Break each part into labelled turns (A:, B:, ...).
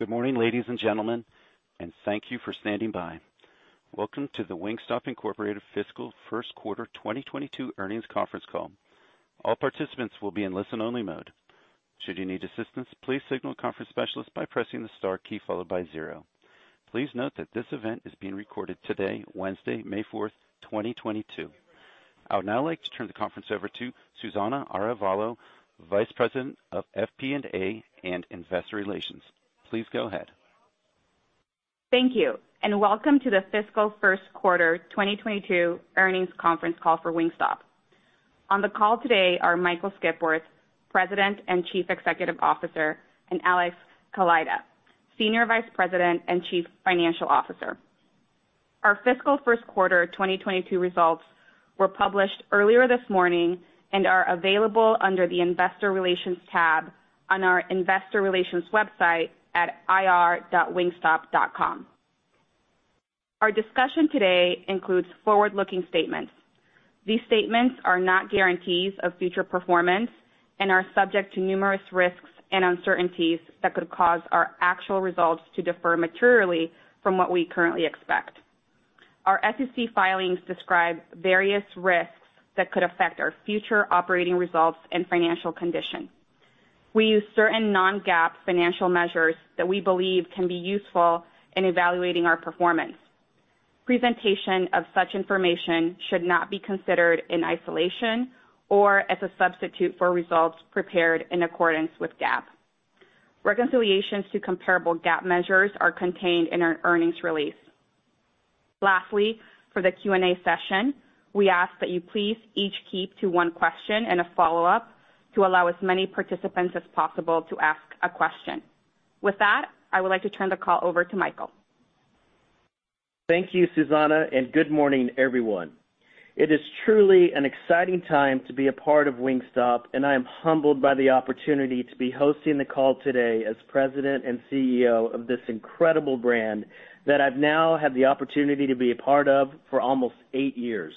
A: Good morning, ladies and gentlemen, and thank you for standing by. Welcome to the Wingstop Inc. Fiscal First Quarter 2022 Earnings Conference Call. All participants will be in listen-only mode. Should you need assistance, please signal a conference specialist by pressing the star key followed by zero. Please note that this event is being recorded today, Wednesday, May 4th, 2022. I would now like to turn the conference over to Susana Arevalo, Vice President of FP&A and Investor Relations. Please go ahead.
B: Thank you, and welcome to the fiscal first quarter 2022 earnings conference call for Wingstop. On the call today are Michael Skipworth, President and Chief Executive Officer, and Alex Kaleida, Senior Vice President and Chief Financial Officer. Our fiscal first quarter 2022 results were published earlier this morning and are available under the Investor Relations tab on our investor relations website at ir.wingstop.com. Our discussion today includes forward-looking statements. These statements are not guarantees of future performance and are subject to numerous risks and uncertainties that could cause our actual results to differ materially from what we currently expect. Our SEC filings describe various risks that could affect our future operating results and financial condition. We use certain non-GAAP financial measures that we believe can be useful in evaluating our performance. Presentation of such information should not be considered in isolation or as a substitute for results prepared in accordance with GAAP. Reconciliations to comparable GAAP measures are contained in our earnings release. Lastly, for the Q&A session, we ask that you please each keep to one question and a follow-up to allow as many participants as possible to ask a question. With that, I would like to turn the call over to Michael.
C: Thank you, Susana, and good morning, everyone. It is truly an exciting time to be a part of Wingstop, and I am humbled by the opportunity to be hosting the call today as President and CEO of this incredible brand that I've now had the opportunity to be a part of for almost eight years.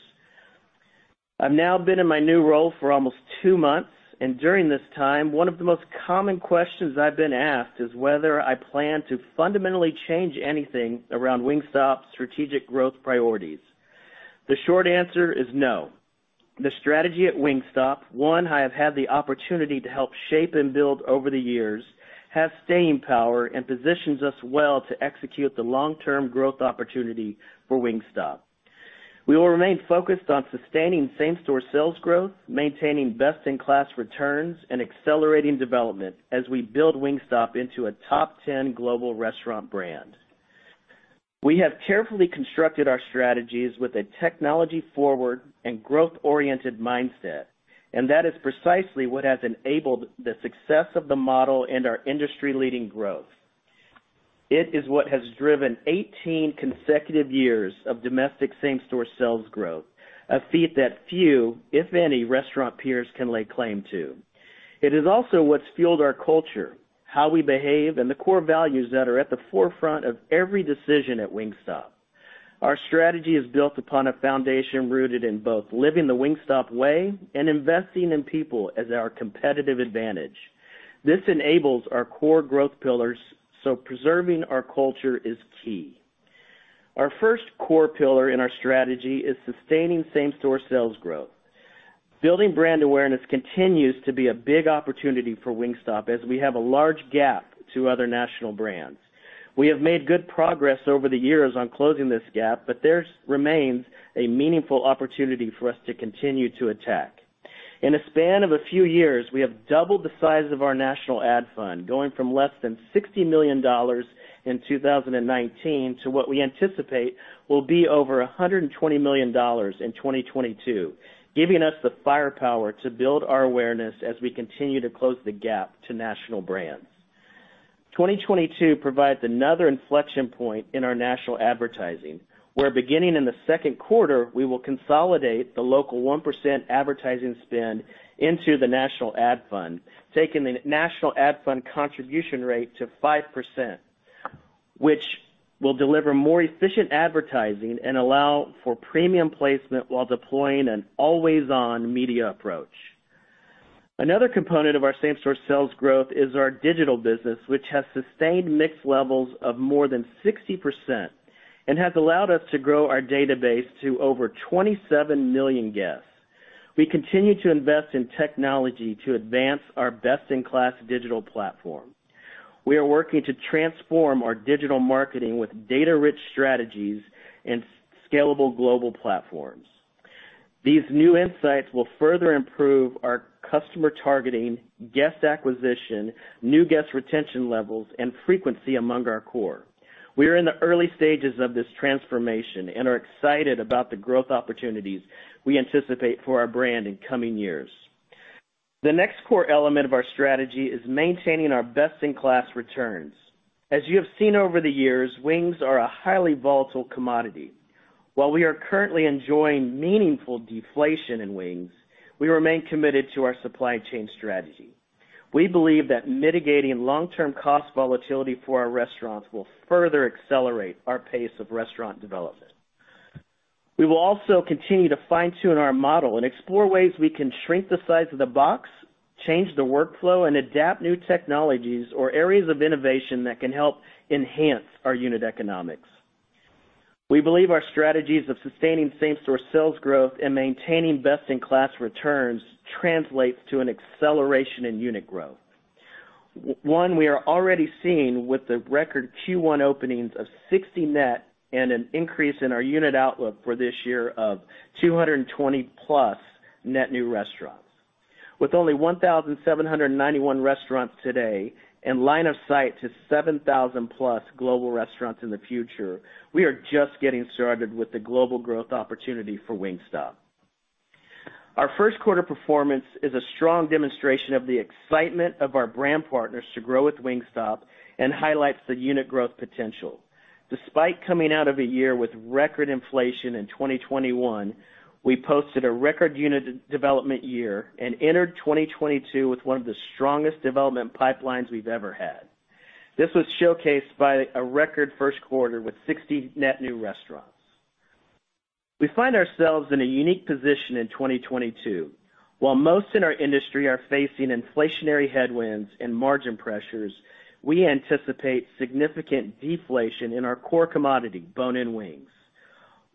C: I've now been in my new role for almost two months, and during this time, one of the most common questions I've been asked is whether I plan to fundamentally change anything around Wingstop's strategic growth priorities. The short answer is no. The strategy at Wingstop, one I have had the opportunity to help shape and build over the years, has staying power and positions us well to execute the long-term growth opportunity for Wingstop. We will remain focused on sustaining same-store sales growth, maintaining best-in-class returns, and accelerating development as we build Wingstop into a top ten global restaurant brand. We have carefully constructed our strategies with a technology-forward and growth-oriented mindset, and that is precisely what has enabled the success of the model and our industry-leading growth. It is what has driven 18 consecutive years of domestic same-store sales growth, a feat that few, if any, restaurant peers can lay claim to. It is also what's fueled our culture, how we behave, and the core values that are at the forefront of every decision at Wingstop. Our strategy is built upon a foundation rooted in both living the Wingstop way and investing in people as our competitive advantage. This enables our core growth pillars, so preserving our culture is key. Our first core pillar in our strategy is sustaining same-store sales growth. Building brand awareness continues to be a big opportunity for Wingstop as we have a large gap to other national brands. We have made good progress over the years on closing this gap, but there remains a meaningful opportunity for us to continue to attack. In a span of a few years, we have doubled the size of our national ad fund, going from less than $60 million in 2019 to what we anticipate will be over $120 million in 2022, giving us the firepower to build our awareness as we continue to close the gap to national brands. 2022 provides another inflection point in our national advertising, where beginning in the second quarter, we will consolidate the local 1% advertising spend into the national ad fund, taking the national ad fund contribution rate to 5%, which will deliver more efficient advertising and allow for premium placement while deploying an always-on media approach. Another component of our same-store sales growth is our digital business, which has sustained mix levels of more than 60% and has allowed us to grow our database to over 27 million guests. We continue to invest in technology to advance our best-in-class digital platform. We are working to transform our digital marketing with data-rich strategies and scalable global platforms. These new insights will further improve our customer targeting, guest acquisition, new guest retention levels, and frequency among our core. We are in the early stages of this transformation and are excited about the growth opportunities we anticipate for our brand in coming years. The next core element of our strategy is maintaining our best-in-class returns. As you have seen over the years, wings are a highly volatile commodity. While we are currently enjoying meaningful deflation in wings, we remain committed to our supply chain strategy. We believe that mitigating long-term cost volatility for our restaurants will further accelerate our pace of restaurant development. We will also continue to fine-tune our model and explore ways we can shrink the size of the box, change the workflow, and adapt new technologies or areas of innovation that can help enhance our unit economics. We believe our strategies of sustaining same-store sales growth and maintaining best-in-class returns translates to an acceleration in unit growth. One, we are already seeing with the record Q1 openings of 60 net and an increase in our unit outlook for this year of 220+ net new restaurants. With only 1,791 restaurants today and line of sight to 7,000+ global restaurants in the future, we are just getting started with the global growth opportunity for Wingstop. Our first quarter performance is a strong demonstration of the excitement of our brand partners to grow with Wingstop and highlights the unit growth potential. Despite coming out of a year with record inflation in 2021, we posted a record unit development year and entered 2022 with one of the strongest development pipelines we've ever had. This was showcased by a record first quarter with 60 net new restaurants. We find ourselves in a unique position in 2022. While most in our industry are facing inflationary headwinds and margin pressures, we anticipate significant deflation in our core commodity, bone-in wings.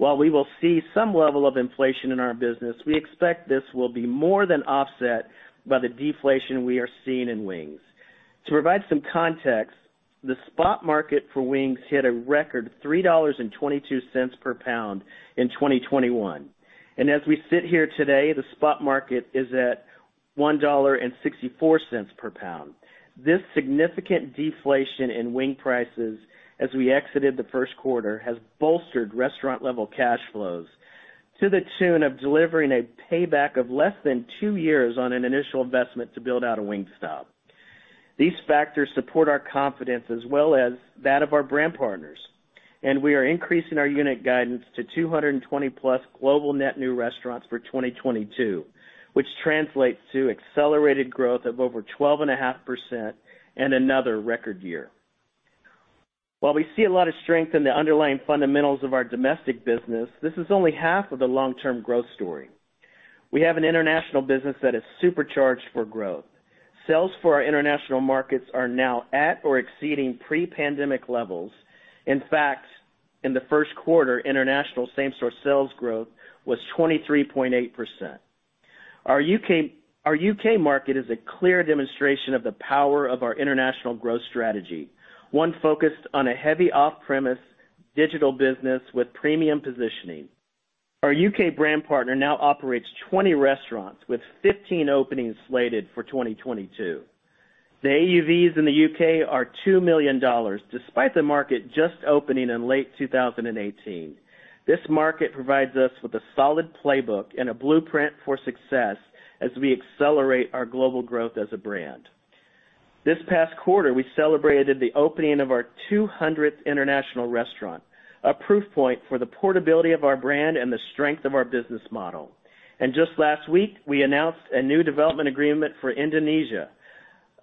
C: While we will see some level of inflation in our business, we expect this will be more than offset by the deflation we are seeing in wings. To provide some context, the spot market for wings hit a record $3.22 per pound in 2021. As we sit here today, the spot market is at $1.64 per pound. This significant deflation in wing prices as we exited the first quarter has bolstered restaurant-level cash flows to the tune of delivering a payback of less than two years on an initial investment to build out a Wingstop. These factors support our confidence as well as that of our brand partners, and we are increasing our unit guidance to 220+ global net new restaurants for 2022, which translates to accelerated growth of over 12.5% and another record year. While we see a lot of strength in the underlying fundamentals of our domestic business, this is only half of the long-term growth story. We have an international business that is supercharged for growth. Sales for our international markets are now at or exceeding pre-pandemic levels. In fact, in the first quarter, international same-store sales growth was 23.8%. Our U.K. market is a clear demonstration of the power of our international growth strategy, one focused on a heavy off-premise digital business with premium positioning. Our U.K. brand partner now operates 20 restaurants with 15 openings slated for 2022. The AUVs in the U.K. are $2 million, despite the market just opening in late 2018. This market provides us with a solid playbook and a blueprint for success as we accelerate our global growth as a brand. This past quarter, we celebrated the opening of our 200th international restaurant, a proof point for the portability of our brand and the strength of our business model. Just last week, we announced a new development agreement for Indonesia.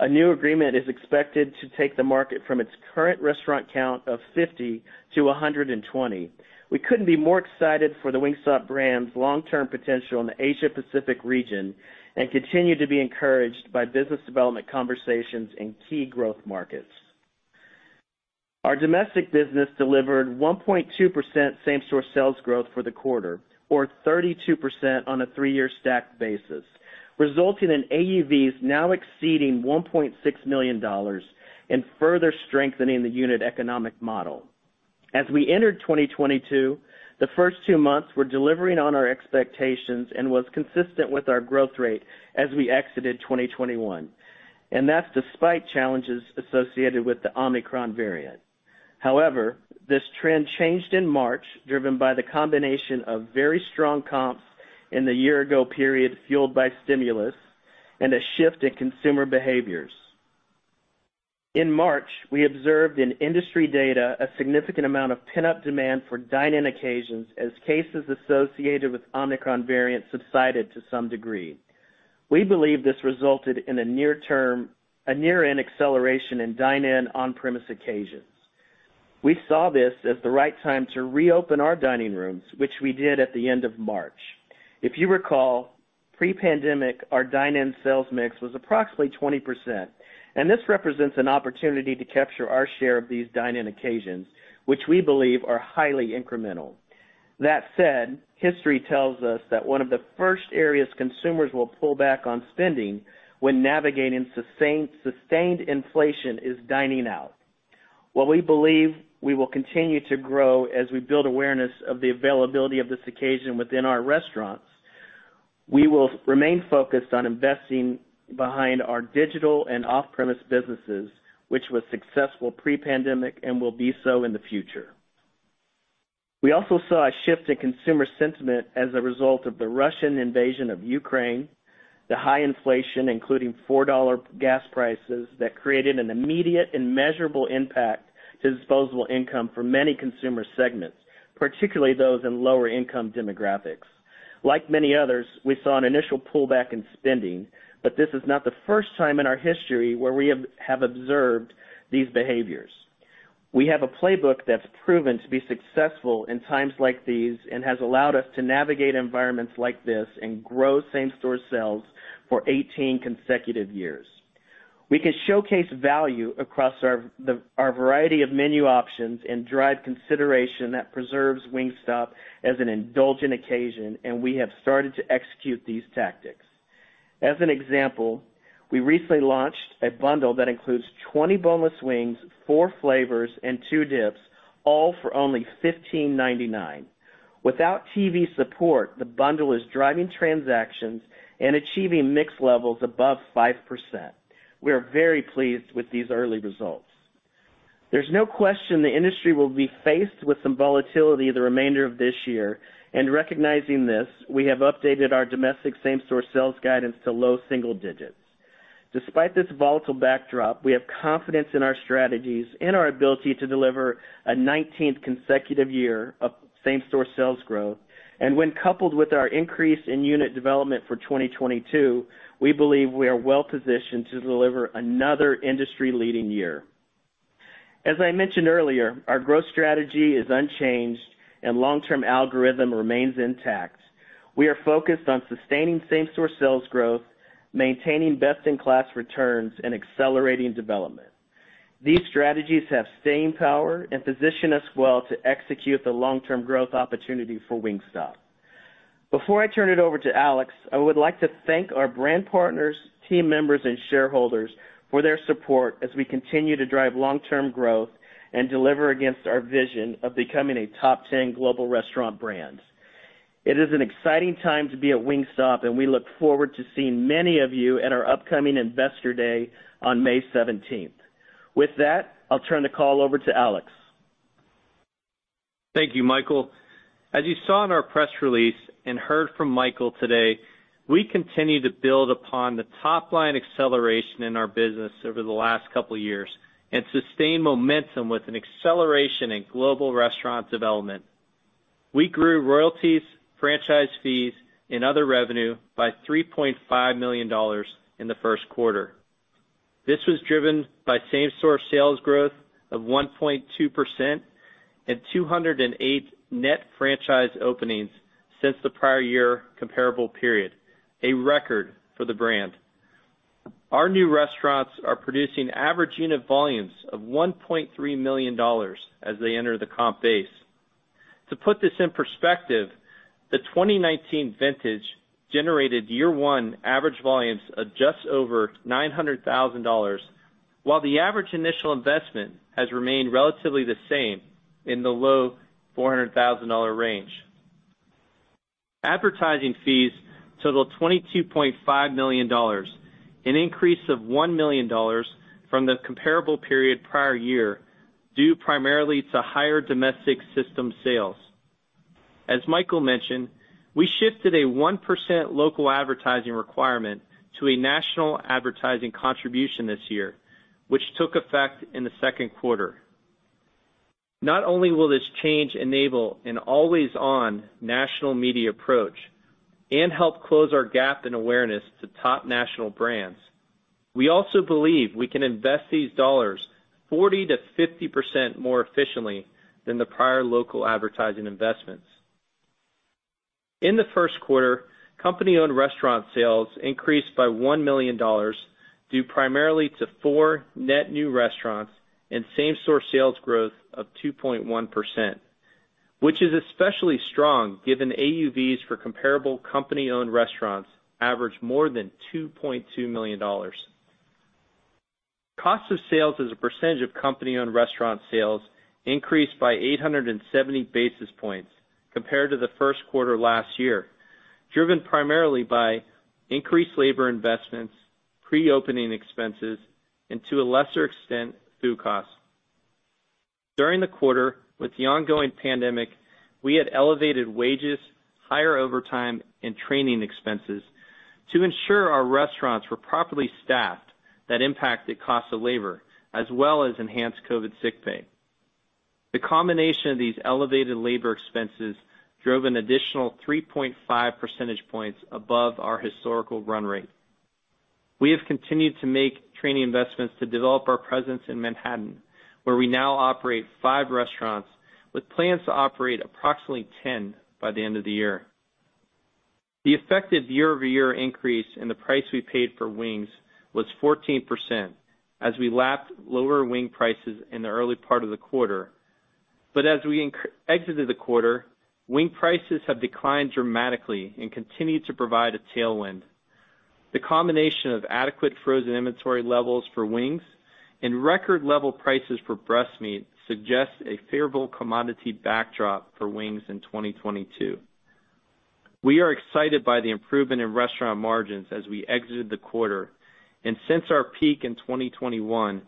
C: A new agreement is expected to take the market from its current restaurant count of 50-120. We couldn't be more excited for the Wingstop brand's long-term potential in the Asia Pacific region and continue to be encouraged by business development conversations in key growth markets. Our domestic business delivered 1.2% same-store sales growth for the quarter, or 32% on a three-year stacked basis, resulting in AUVs now exceeding $1.6 million and further strengthening the unit economic model. As we entered 2022, the first two months were delivering on our expectations and was consistent with our growth rate as we exited 2021, and that's despite challenges associated with the Omicron variant. However, this trend changed in March, driven by the combination of very strong comps in the year-ago period fueled by stimulus and a shift in consumer behaviors. In March, we observed in industry data a significant amount of pent-up demand for dine-in occasions as cases associated with Omicron variant subsided to some degree. We believe this resulted in a near-term acceleration in dine-in on-premise occasions. We saw this as the right time to reopen our dining rooms, which we did at the end of March. If you recall, pre-pandemic, our dine-in sales mix was approximately 20%, and this represents an opportunity to capture our share of these dine-in occasions, which we believe are highly incremental. That said, history tells us that one of the first areas consumers will pull back on spending when navigating sustained inflation is dining out. While we believe we will continue to grow as we build awareness of the availability of this occasion within our restaurants, we will remain focused on investing behind our digital and off-premise businesses, which was successful pre-pandemic and will be so in the future. We also saw a shift in consumer sentiment as a result of the Russian invasion of Ukraine, the high inflation, including $4 gas prices that created an immediate and measurable impact to disposable income for many consumer segments, particularly those in lower income demographics. Like many others, we saw an initial pullback in spending, but this is not the first time in our history where we have observed these behaviors. We have a playbook that's proven to be successful in times like these and has allowed us to navigate environments like this and grow same-store sales for 18 consecutive years. We can showcase value across our variety of menu options and drive consideration that preserves Wingstop as an indulgent occasion, and we have started to execute these tactics. As an example, we recently launched a bundle that includes 20 boneless wings, four flavors, and two dips, all for only $15.99. Without TV support, the bundle is driving transactions and achieving mix levels above 5%. We are very pleased with these early results. There's no question the industry will be faced with some volatility the remainder of this year, and recognizing this, we have updated our domestic same-store sales guidance to low single digits. Despite this volatile backdrop, we have confidence in our strategies and our ability to deliver a 19th consecutive year of same-store sales growth. When coupled with our increase in unit development for 2022, we believe we are well-positioned to deliver another industry-leading year. As I mentioned earlier, our growth strategy is unchanged, and long-term algorithm remains intact. We are focused on sustaining same-store sales growth, maintaining best-in-class returns, and accelerating development. These strategies have staying power and position us well to execute the long-term growth opportunity for Wingstop. Before I turn it over to Alex, I would like to thank our brand partners, team members, and shareholders for their support as we continue to drive long-term growth and deliver against our vision of becoming a top-10 global restaurant brand. It is an exciting time to be at Wingstop, and we look forward to seeing many of you at our upcoming Investor Day on May 17th. With that, I'll turn the call over to Alex.
D: Thank you, Michael. As you saw in our press release and heard from Michael today, we continue to build upon the top-line acceleration in our business over the last couple years and sustain momentum with an acceleration in global restaurant development. We grew royalties, franchise fees, and other revenue by $3.5 million in the first quarter. This was driven by same-store sales growth of 1.2% and 208 net franchise openings since the prior year comparable period, a record for the brand. Our new restaurants are producing average unit volumes of $1.3 million as they enter the comp base. To put this in perspective, the 2019 vintage generated year-one average volumes of just over $900,000, while the average initial investment has remained relatively the same in the low $400,000 range. Advertising fees totaled $22.5 million, an increase of $1 million from the comparable period prior year, due primarily to higher domestic system sales. As Michael mentioned, we shifted a 1% local advertising requirement to a national advertising contribution this year, which took effect in the second quarter. Not only will this change enable an always-on national media approach and help close our gap in awareness to top national brands, we also believe we can invest these dollars 40%-50% more efficiently than the prior local advertising investments. In the first quarter, company-owned restaurant sales increased by $1 million, due primarily to four net new restaurants and same-store sales growth of 2.1%, which is especially strong given AUVs for comparable company-owned restaurants average more than $2.2 million. Cost of sales as a percentage of company-owned restaurant sales increased by 870 basis points compared to the first quarter last year, driven primarily by increased labor investments, pre-opening expenses, and to a lesser extent, food costs. During the quarter, with the ongoing pandemic, we had elevated wages, higher overtime, and training expenses to ensure our restaurants were properly staffed that impacted cost of labor, as well as enhanced COVID sick pay. The combination of these elevated labor expenses drove an additional 3.5 percentage points above our historical run rate. We have continued to make training investments to develop our presence in Manhattan, where we now operate five restaurants, with plans to operate approximately 10 by the end of the year. The effective year-over-year increase in the price we paid for wings was 14% as we lapped lower wing prices in the early part of the quarter. As we exited the quarter, wing prices have declined dramatically and continued to provide a tailwind. The combination of adequate frozen inventory levels for wings and record-level prices for breast meat suggests a favorable commodity backdrop for wings in 2022. We are excited by the improvement in restaurant margins as we exited the quarter. Since our peak in 2021,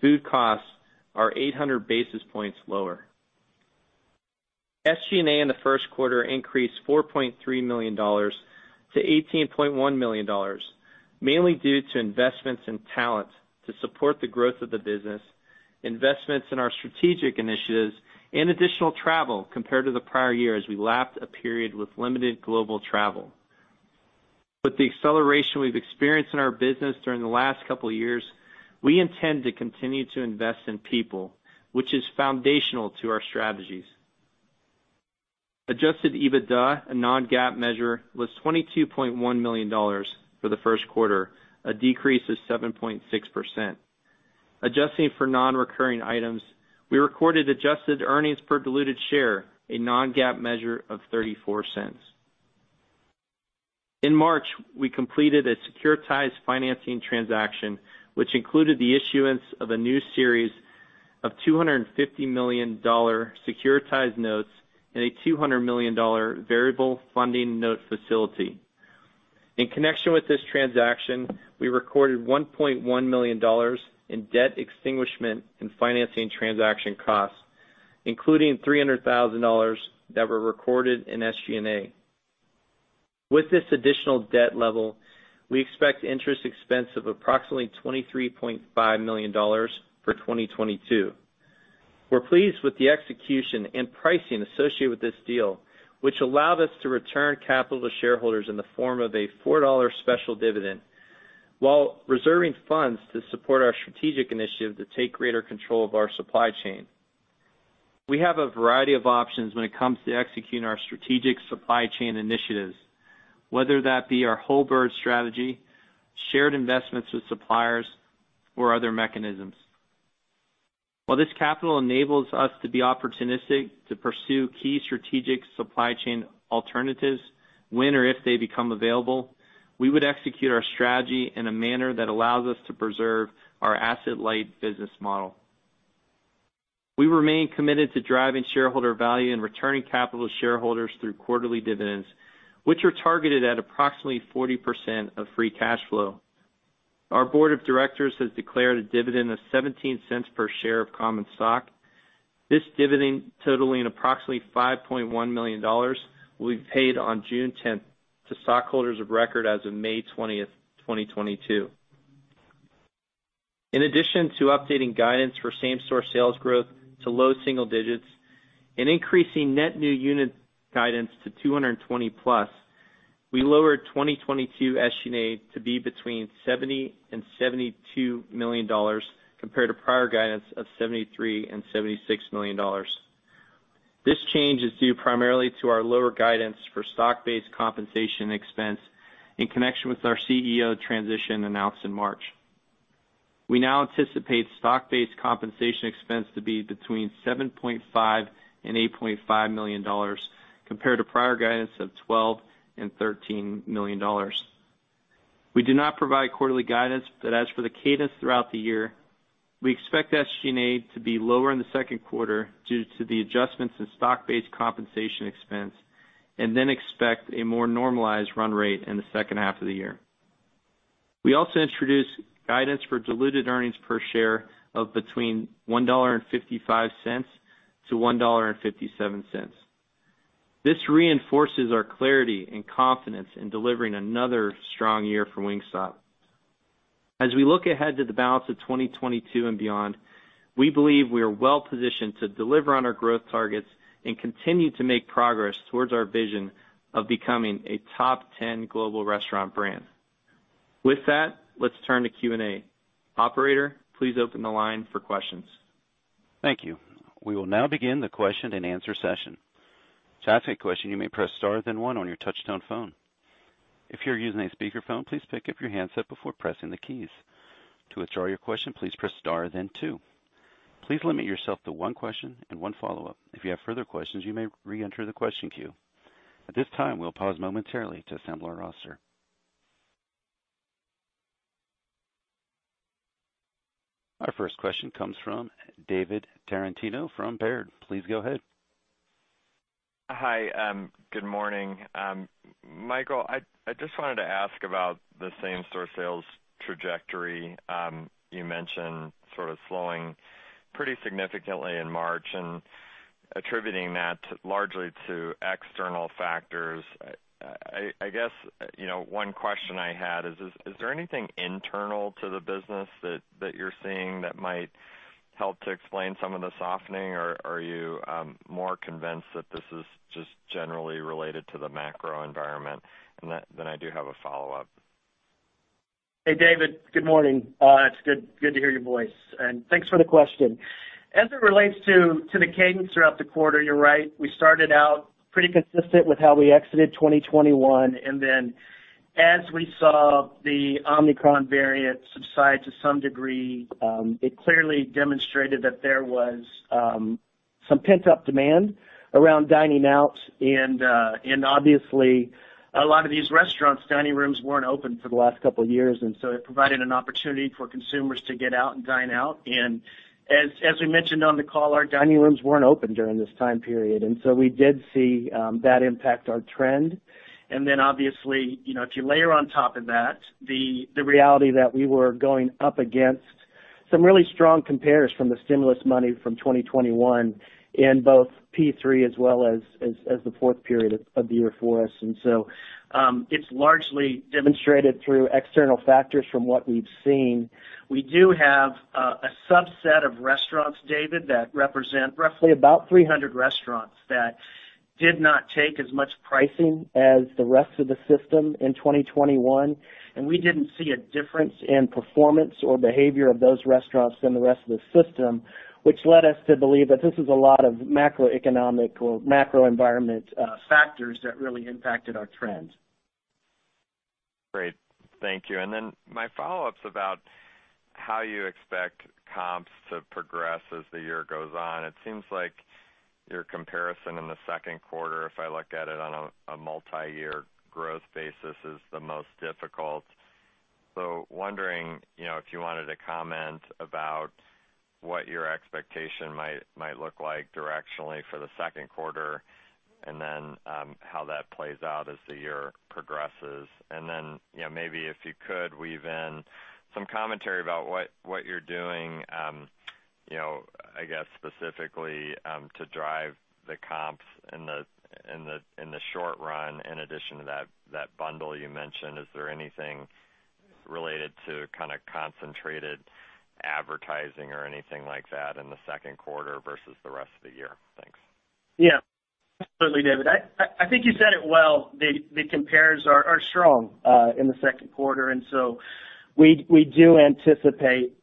D: food costs are 800 basis points lower. SG&A in the first quarter increased $4.3 million-$18.1 million, mainly due to investments in talent to support the growth of the business, investments in our strategic initiatives, and additional travel compared to the prior year as we lapped a period with limited global travel. With the acceleration we've experienced in our business during the last couple of years, we intend to continue to invest in people, which is foundational to our strategies. Adjusted EBITDA, a non-GAAP measure, was $22.1 million for the first quarter, a decrease of 7.6%. Adjusting for non-recurring items, we recorded adjusted earnings per diluted share, a non-GAAP measure of $0.34. In March, we completed a securitized financing transaction, which included the issuance of a new series of $250 million securitized notes and a $200 million variable funding note facility. In connection with this transaction, we recorded $1.1 million in debt extinguishment and financing transaction costs, including $300,000 that were recorded in SG&A. With this additional debt level, we expect interest expense of approximately $23.5 million for 2022. We're pleased with the execution and pricing associated with this deal, which allowed us to return capital to shareholders in the form of a $4 special dividend while reserving funds to support our strategic initiative to take greater control of our supply chain. We have a variety of options when it comes to executing our strategic supply chain initiatives, whether that be our whole bird strategy, shared investments with suppliers, or other mechanisms. While this capital enables us to be opportunistic to pursue key strategic supply chain alternatives when or if they become available, we would execute our strategy in a manner that allows us to preserve our asset-light business model. We remain committed to driving shareholder value and returning capital to shareholders through quarterly dividends, which are targeted at approximately 40% of free cash flow. Our board of directors has declared a dividend of $0.17 per share of common stock. This dividend, totaling approximately $5.1 million, will be paid on June 10th to stockholders of record as of May 28th, 2022. In addition to updating guidance for same-store sales growth to low single digits and increasing net new unit guidance to 220+, we lowered 2022 SG&A to be between $70 and $72 million compared to prior guidance of $73 and $76 million. This change is due primarily to our lower guidance for stock-based compensation expense in connection with our CEO transition announced in March. We now anticipate stock-based compensation expense to be between $7.5 and $8.5 million compared to prior guidance of $12 and $13 million. We do not provide quarterly guidance, but as for the cadence throughout the year, we expect SG&A to be lower in the second quarter due to the adjustments in stock-based compensation expense and then expect a more normalized run rate in the second half of the year. We also introduced guidance for diluted earnings per share of between $1.55 to $1.57. This reinforces our clarity and confidence in delivering another strong year for Wingstop. As we look ahead to the balance of 2022 and beyond, we believe we are well-positioned to deliver on our growth targets and continue to make progress towards our vision of becoming a top 10 global restaurant brand. With that, let's turn to Q&A. Operator, please open the line for questions.
A: Thank you. We will now begin the question-and-answer session. To ask a question, you may press star then one on your touchtone phone. If you're using a speakerphone, please pick up your handset before pressing the keys. To withdraw your question, please press star then two. Please limit yourself to one question and one follow-up. If you have further questions, you may reenter the question queue. At this time, we'll pause momentarily to assemble our roster. Our first question comes from David Tarantino from Baird. Please go ahead.
E: Hi, good morning. Michael, I just wanted to ask about the same-store sales trajectory. You mentioned sort of slowing pretty significantly in March and attributing that largely to external factors. I guess, you know, one question I had is there anything internal to the business that you're seeing that might help to explain some of the softening, or are you more convinced that this is just generally related to the macro environment? I do have a follow-up.
C: Hey, David. Good morning. It's good to hear your voice, and thanks for the question. As it relates to the cadence throughout the quarter, you're right, we started out pretty consistent with how we exited 2021. Then as we saw the Omicron variant subside to some degree, it clearly demonstrated that there was some pent-up demand around dining out. Obviously, a lot of these restaurants' dining rooms weren't open for the last couple of years, so it provided an opportunity for consumers to get out and dine out. As we mentioned on the call, our dining rooms weren't open during this time period, so we did see that impact our trend. Then obviously, you know, if you layer on top of that the reality that we were going up against Some really strong compares from the stimulus money from 2021 in both Q3 as well as the fourth period of the year for us. It's largely demonstrated through external factors from what we've seen. We do have a subset of restaurants, David, that represent roughly about 300 restaurants that did not take as much pricing as the rest of the system in 2021, and we didn't see a difference in performance or behavior of those restaurants than the rest of the system, which led us to believe that this is a lot of macroeconomic or macro environment factors that really impacted our trends.
E: Great. Thank you. My follow-up's about how you expect comps to progress as the year goes on. It seems like your comparison in the second quarter, if I look at it on a multiyear growth basis, is the most difficult. Wondering, you know, if you wanted to comment about what your expectation might look like directionally for the second quarter, and then how that plays out as the year progresses. You know, maybe if you could weave in some commentary about what you're doing, you know, I guess specifically to drive the comps in the short run, in addition to that bundle you mentioned. Is there anything related to kinda concentrated advertising or anything like that in the second quarter versus the rest of the year? Thanks.
C: Yeah. Absolutely, David. I think you said it well, the compares are strong in the second quarter, and so we do anticipate,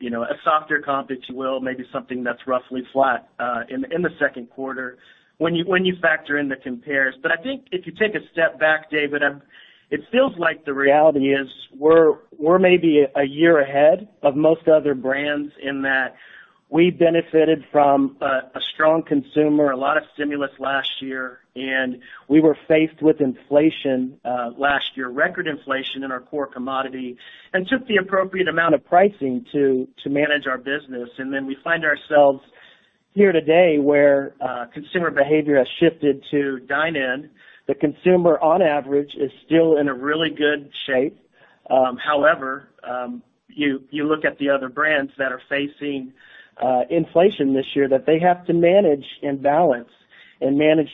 C: you know, a softer comp, if you will, maybe something that's roughly flat in the second quarter when you factor in the compares. I think if you take a step back, David, it feels like the reality is we're maybe a year ahead of most other brands in that we benefited from a strong consumer, a lot of stimulus last year, and we were faced with inflation last year, record inflation in our core commodity, and took the appropriate amount of pricing to manage our business. Then we find ourselves here today where consumer behavior has shifted to dine-in. The consumer, on average, is still in a really good shape. However, you look at the other brands that are facing inflation this year that they have to manage and balance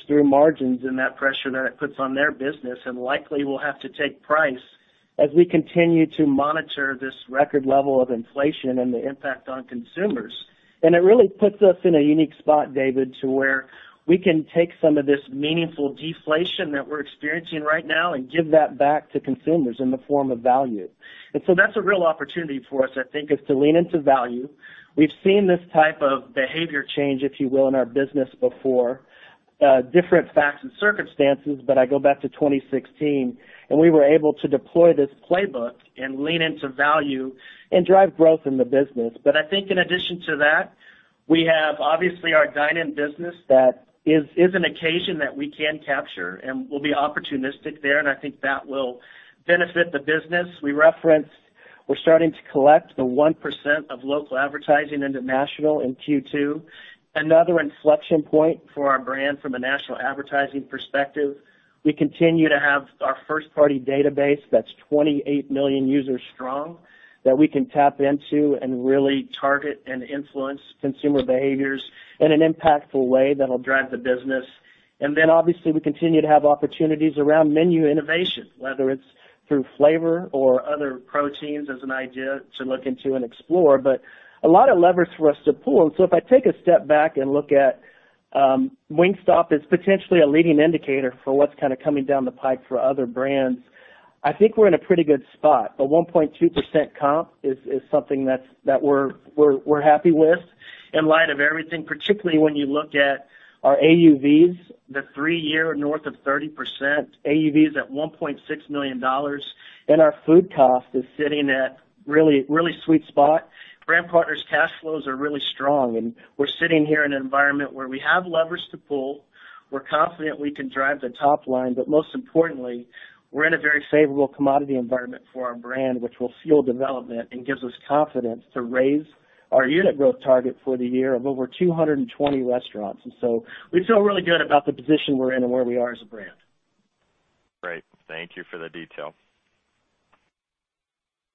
C: through margins and that pressure that it puts on their business, and likely will have to take price as we continue to monitor this record level of inflation and the impact on consumers. It really puts us in a unique spot, David, to where we can take some of this meaningful deflation that we're experiencing right now and give that back to consumers in the form of value. That's a real opportunity for us, I think, is to lean into value. We've seen this type of behavior change, if you will, in our business before. Different facts and circumstances, but I go back to 2016, and we were able to deploy this playbook and lean into value and drive growth in the business. I think in addition to that, we have obviously our dine-in business that is an occasion that we can capture, and we'll be opportunistic there, and I think that will benefit the business. We referenced we're starting to collect the 1% of local advertising into national in Q2, another inflection point for our brand from a national advertising perspective. We continue to have our first-party database that's 28 million users strong that we can tap into and really target and influence consumer behaviors in an impactful way that'll drive the business. Then obviously, we continue to have opportunities around menu innovation, whether it's through flavor or other proteins as an idea to look into and explore. A lot of levers for us to pull. If I take a step back and look at Wingstop as potentially a leading indicator for what's kinda coming down the pike for other brands, I think we're in a pretty good spot. A 1.2% comp is something that we're happy with in light of everything, particularly when you look at our AUVs, the three-year north of 30% AUVs at $1.6 million, and our food cost is sitting at really, really sweet spot. Brand partners' cash flows are really strong, and we're sitting here in an environment where we have levers to pull. We're confident we can drive the top line, but most importantly, we're in a very favorable commodity environment for our brand, which will fuel development and gives us confidence to raise our unit growth target for the year of over 220 restaurants. We feel really good about the position we're in and where we are as a brand.
E: Great. Thank you for the detail.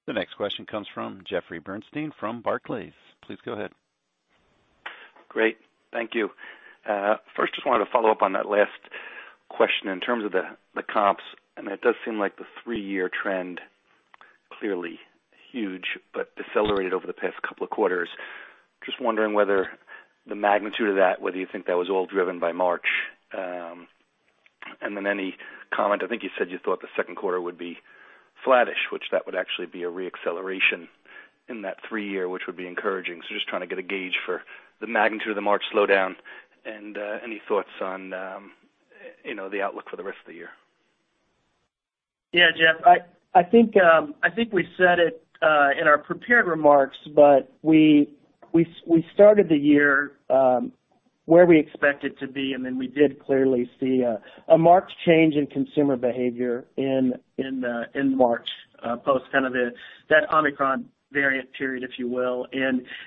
A: The next question comes from Jeffrey Bernstein from Barclays. Please go ahead.
F: Great. Thank you. First just wanted to follow up on that last question in terms of the comps, and it does seem like the three-year trend, clearly huge but decelerated over the past couple of quarters. Just wondering whether the magnitude of that, whether you think that was all driven by March. And then any comment, I think you said you thought the second quarter would be flattish, which would actually be a reacceleration in that three-year, which would be encouraging. Just trying to get a gauge for the magnitude of the March slowdown and any thoughts on, you know, the outlook for the rest of the year.
C: Yeah. Jeff, I think we said it in our prepared remarks, but we started the year where we expect it to be, and then we did clearly see a marked change in consumer behavior in March, post kind of that Omicron variant period, if you will.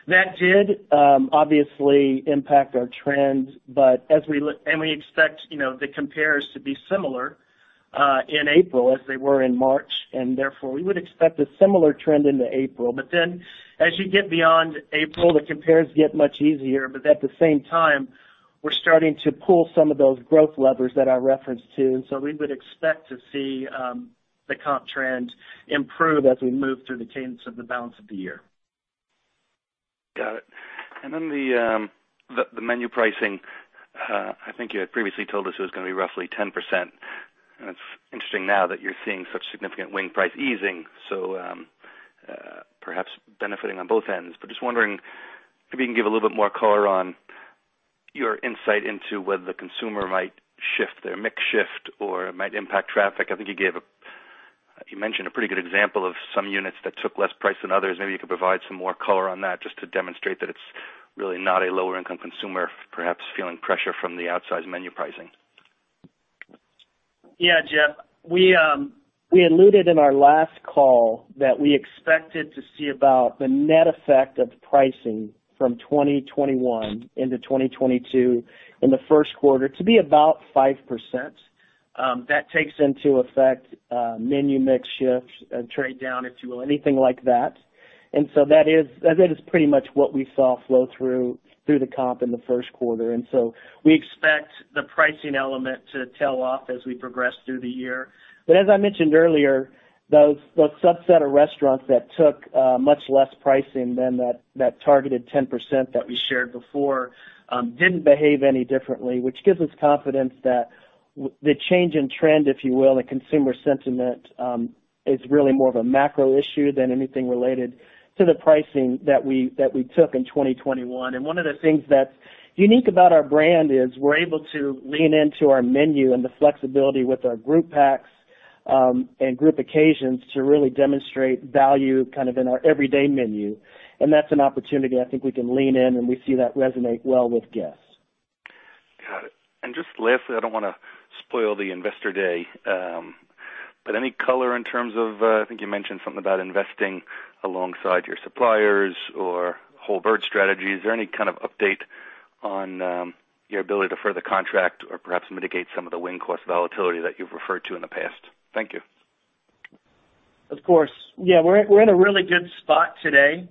C: That did obviously impact our trends, but we expect, you know, the compares to be similar in April as they were in March, and therefore we would expect a similar trend into April. Then as you get beyond April, the compares get much easier, but at the same time, we're starting to pull some of those growth levers that I referenced to. We would expect to see the comp trend improve as we move through the cadence of the balance of the year.
F: Got it. Then the menu pricing, I think you had previously told us it was gonna be roughly 10%. It's interesting now that you're seeing such significant wing price easing, so perhaps benefiting on both ends. Just wondering if you can give a little bit more color on your insight into whether the consumer might shift their mix or it might impact traffic. I think you mentioned a pretty good example of some units that took less price than others. Maybe you could provide some more color on that just to demonstrate that it's really not a lower income consumer perhaps feeling pressure from the outsized menu pricing.
C: Yeah, Jeff. We alluded in our last call that we expected to see about the net effect of pricing from 2021 into 2022 in the first quarter to be about 5%. That takes into effect menu mix shifts and trade down, if you will, anything like that. That is pretty much what we saw flow through the comp in the first quarter. We expect the pricing element to tail off as we progress through the year. As I mentioned earlier, those subset of restaurants that took much less pricing than that targeted 10% that we shared before, didn't behave any differently, which gives us confidence that the change in trend, if you will, the consumer sentiment, is really more of a macro issue than anything related to the pricing that we took in 2021. One of the things that's unique about our brand is we're able to lean into our menu and the flexibility with our group packs, and group occasions to really demonstrate value kind of in our everyday menu. That's an opportunity I think we can lean in, and we see that resonate well with guests.
F: Got it. Just lastly, I don't wanna spoil the Investor Day, but any color in terms of, I think you mentioned something about investing alongside your suppliers or whole bird strategy. Is there any kind of update on, your ability to further contract or perhaps mitigate some of the wing cost volatility that you've referred to in the past? Thank you.
C: Of course. Yeah, we're in a really good spot today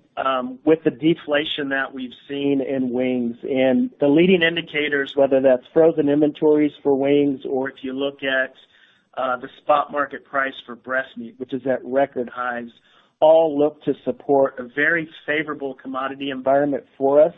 C: with the deflation that we've seen in wings. The leading indicators, whether that's frozen inventories for wings or if you look at the spot market price for breast meat, which is at record highs, all look to support a very favorable commodity environment for us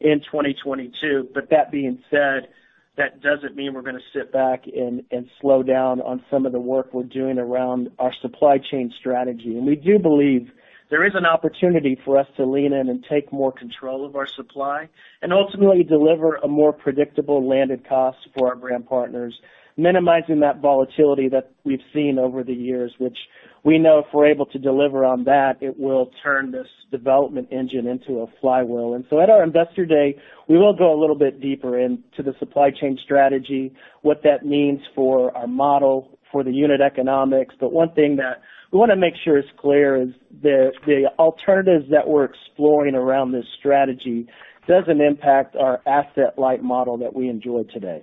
C: in 2022. That being said, that doesn't mean we're gonna sit back and slow down on some of the work we're doing around our supply chain strategy. We do believe there is an opportunity for us to lean in and take more control of our supply and ultimately deliver a more predictable landed cost for our brand partners, minimizing that volatility that we've seen over the years, which we know if we're able to deliver on that, it will turn this development engine into a flywheel. At our Investor Day, we will go a little bit deeper into the supply chain strategy, what that means for our model, for the unit economics. One thing that we wanna make sure is clear is the alternatives that we're exploring around this strategy doesn't impact our asset-light model that we enjoy today.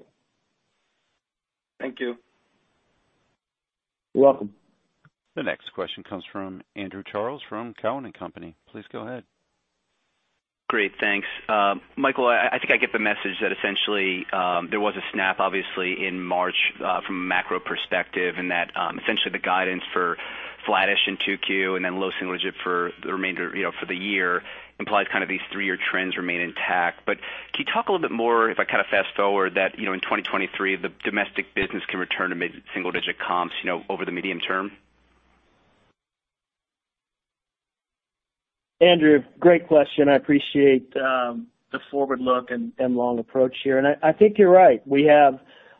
F: Thank you.
C: You're welcome.
A: The next question comes from Andrew Charles from Cowen and Company. Please go ahead.
G: Great, thanks. Michael, I think I get the message that essentially there was a snap obviously in March from a macro perspective, and that essentially the guidance for flattish in 2Q and then low single digit for the remainder, you know, for the year implies kind of these three-year trends remain intact. Can you talk a little bit more if I kind of fast-forward that, you know, in 2023, the domestic business can return to mid-single digit comps, you know, over the medium term?
C: Andrew, great question. I appreciate the forward look and long approach here. I think you're right. We have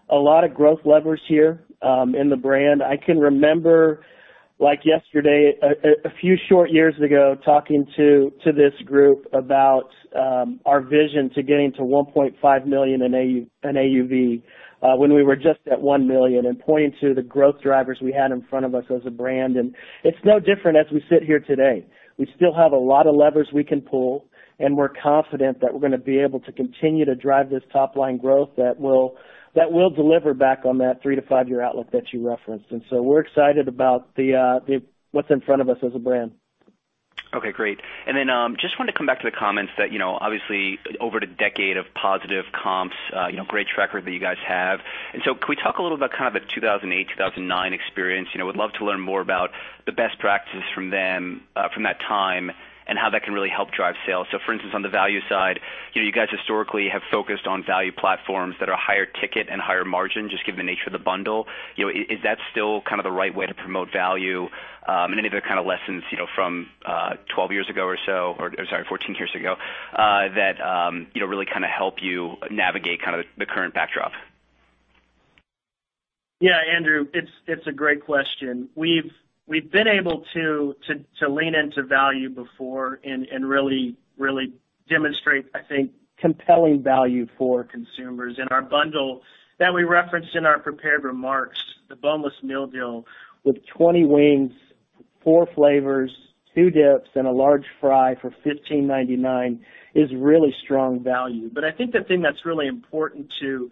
C: a lot of growth levers here in the brand. I can remember like yesterday a few short years ago talking to this group about our vision to getting to $1.5 million in AUV when we were just at $1 million, and pointing to the growth drivers we had in front of us as a brand. It's no different as we sit here today. We still have a lot of levers we can pull, and we're confident that we're gonna be able to continue to drive this top-line growth that will deliver back on that 3-5 year outlook that you referenced. We're excited about what's in front of us as a brand.
G: Okay, great. Just wanted to come back to the comments that, you know, obviously over the decade of positive comps, you know, great track record that you guys have. Can we talk a little about kind of a 2008, 2009 experience? You know, we'd love to learn more about the best practice from them, from that time and how that can really help drive sales. For instance, on the value side, you know, you guys historically have focused on value platforms that are higher ticket and higher margin just given the nature of the bundle. You know, is that still kind of the right way to promote value? Any other kind of lessons, you know, from 12 years ago or so, sorry, 14 years ago, that you know, really kind of help you navigate kind of the current backdrop?
C: Yeah, Andrew, it's a great question. We've been able to lean into value before and really demonstrate, I think, compelling value for consumers. Our bundle that we referenced in our prepared remarks, the boneless meal deal with 20 wings, four flavors, two dips, and a large fry for $15.99 is really strong value. But I think the thing that's really important to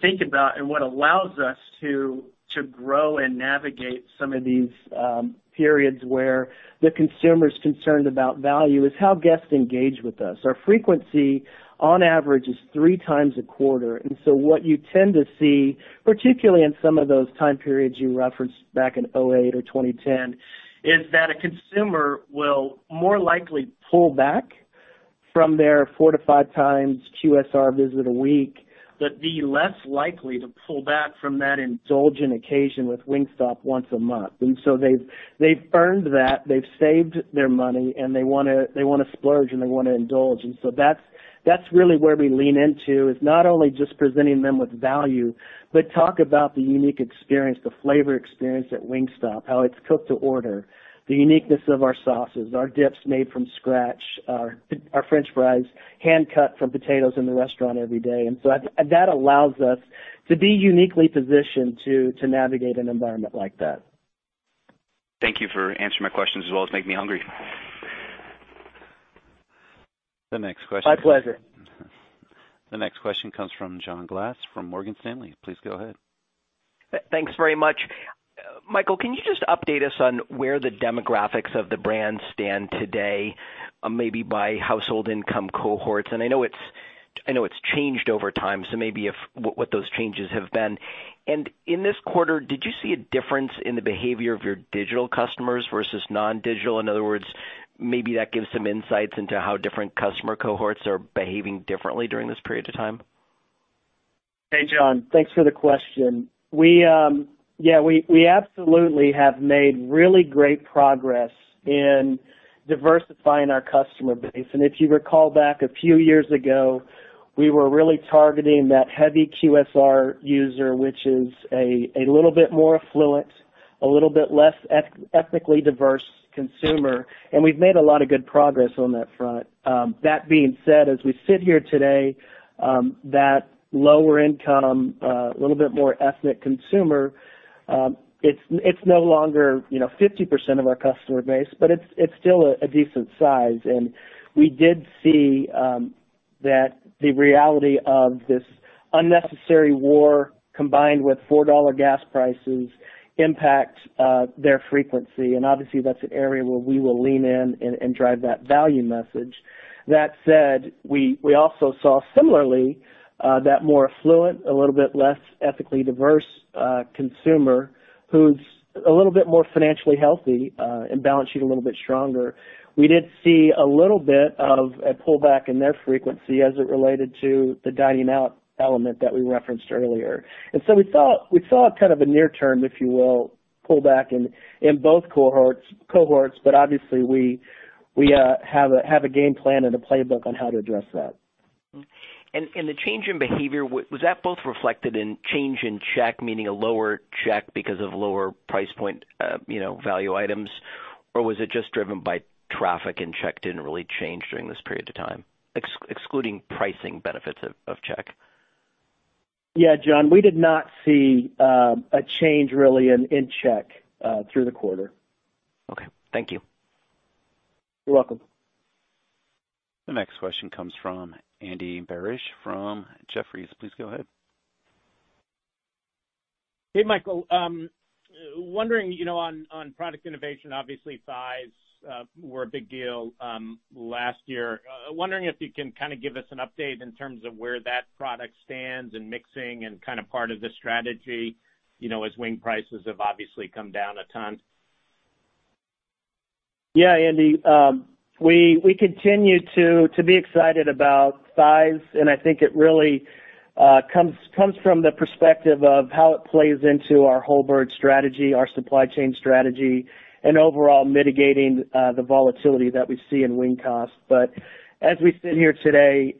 C: think about and what allows us to grow and navigate some of these periods where the consumer is concerned about value is how guests engage with us. Our frequency on average is three times a quarter. What you tend to see, particularly in some of those time periods you referenced back in 2008 or 2010, is that a consumer will more likely pull back from their 4x-5x QSR visit a week, but be less likely to pull back from that indulgent occasion with Wingstop once a month. They've earned that, they've saved their money, and they wanna splurge, and they wanna indulge. That's really where we lean into, is not only just presenting them with value, but talk about the unique experience, the flavor experience at Wingstop, how it's cooked to order, the uniqueness of our sauces, our dips made from scratch, our French fries hand cut from potatoes in the restaurant every day. That allows us to be uniquely positioned to navigate an environment like that.
G: Thank you for answering my questions as well as making me hungry. The next question.
C: My pleasure.
A: The next question comes from John Glass from Morgan Stanley. Please go ahead.
H: Thanks very much. Michael, can you just update us on where the demographics of the brand stand today, maybe by household income cohorts? I know it's changed over time, so maybe what those changes have been. In this quarter, did you see a difference in the behavior of your digital customers versus non-digital? In other words, maybe that gives some insights into how different customer cohorts are behaving differently during this period of time.
C: Hey, John. Thanks for the question. We absolutely have made really great progress in diversifying our customer base. If you recall back a few years ago, we were really targeting that heavy QSR user, which is a little bit more affluent, a little bit less ethnically diverse consumer, and we've made a lot of good progress on that front. That being said, as we sit here today, that lower income little bit more ethnic consumer, it's no longer you know 50% of our customer base, but it's still a decent size. We did see that the reality of this unnecessary war, combined with $4 gas prices, impacts their frequency. Obviously, that's an area where we will lean in and drive that value message. That said, we also saw similarly that more affluent, a little bit less ethnically diverse consumer who's a little bit more financially healthy and balance sheet a little bit stronger. We did see a little bit of a pullback in their frequency as it related to the dining out element that we referenced earlier. We saw kind of a near-term, if you will, pullback in both cohorts, but obviously we have a game plan and a playbook on how to address that.
H: The change in behavior, was that both reflected in change in check, meaning a lower check because of lower price point, you know, value items, or was it just driven by traffic and check didn't really change during this period of time? Excluding pricing benefits of check.
C: Yeah, John, we did not see a change really in check through the quarter.
H: Okay. Thank you.
C: You're welcome.
A: The next question comes from Andy Barish from Jefferies. Please go ahead.
I: Hey, Michael. Wondering, you know, on product innovation, obviously, thighs were a big deal last year. Wondering if you can kind of give us an update in terms of where that product stands in mixing and kind of part of the strategy, you know, as wing prices have obviously come down a ton.
C: Yeah, Andy. We continue to be excited about thighs, and I think it really comes from the perspective of how it plays into our whole bird strategy, our supply chain strategy, and overall mitigating the volatility that we see in wing costs. As we sit here today,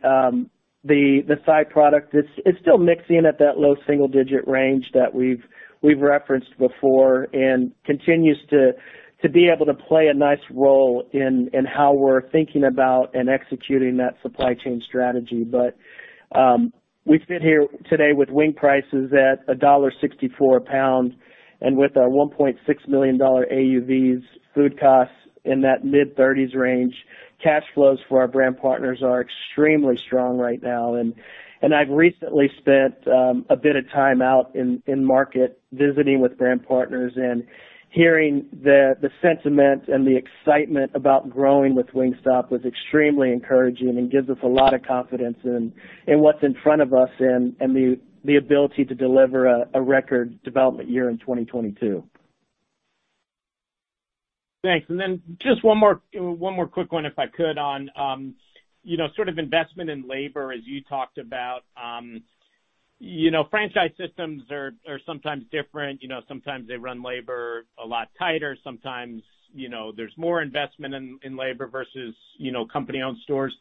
C: the thigh product is still mixing at that low single-digit range that we've referenced before and continues to be able to play a nice role in how we're thinking about and executing that supply chain strategy. We sit here today with wing prices at $1.64 a pound and with our $1.6 million AUVs food costs in that mid-30s% range. Cash flows for our brand partners are extremely strong right now. I've recently spent a bit of time out in market visiting with brand partners and hearing the sentiment and the excitement about growing with Wingstop was extremely encouraging and gives us a lot of confidence in what's in front of us and the ability to deliver a record development year in 2022.
I: Thanks. Just one more quick one, if I could, on you know, sort of investment in labor as you talked about. You know, franchise systems are sometimes different. You know, sometimes they run labor a lot tighter. Sometimes, you know, there's more investment in labor versus, you know, company-owned stores.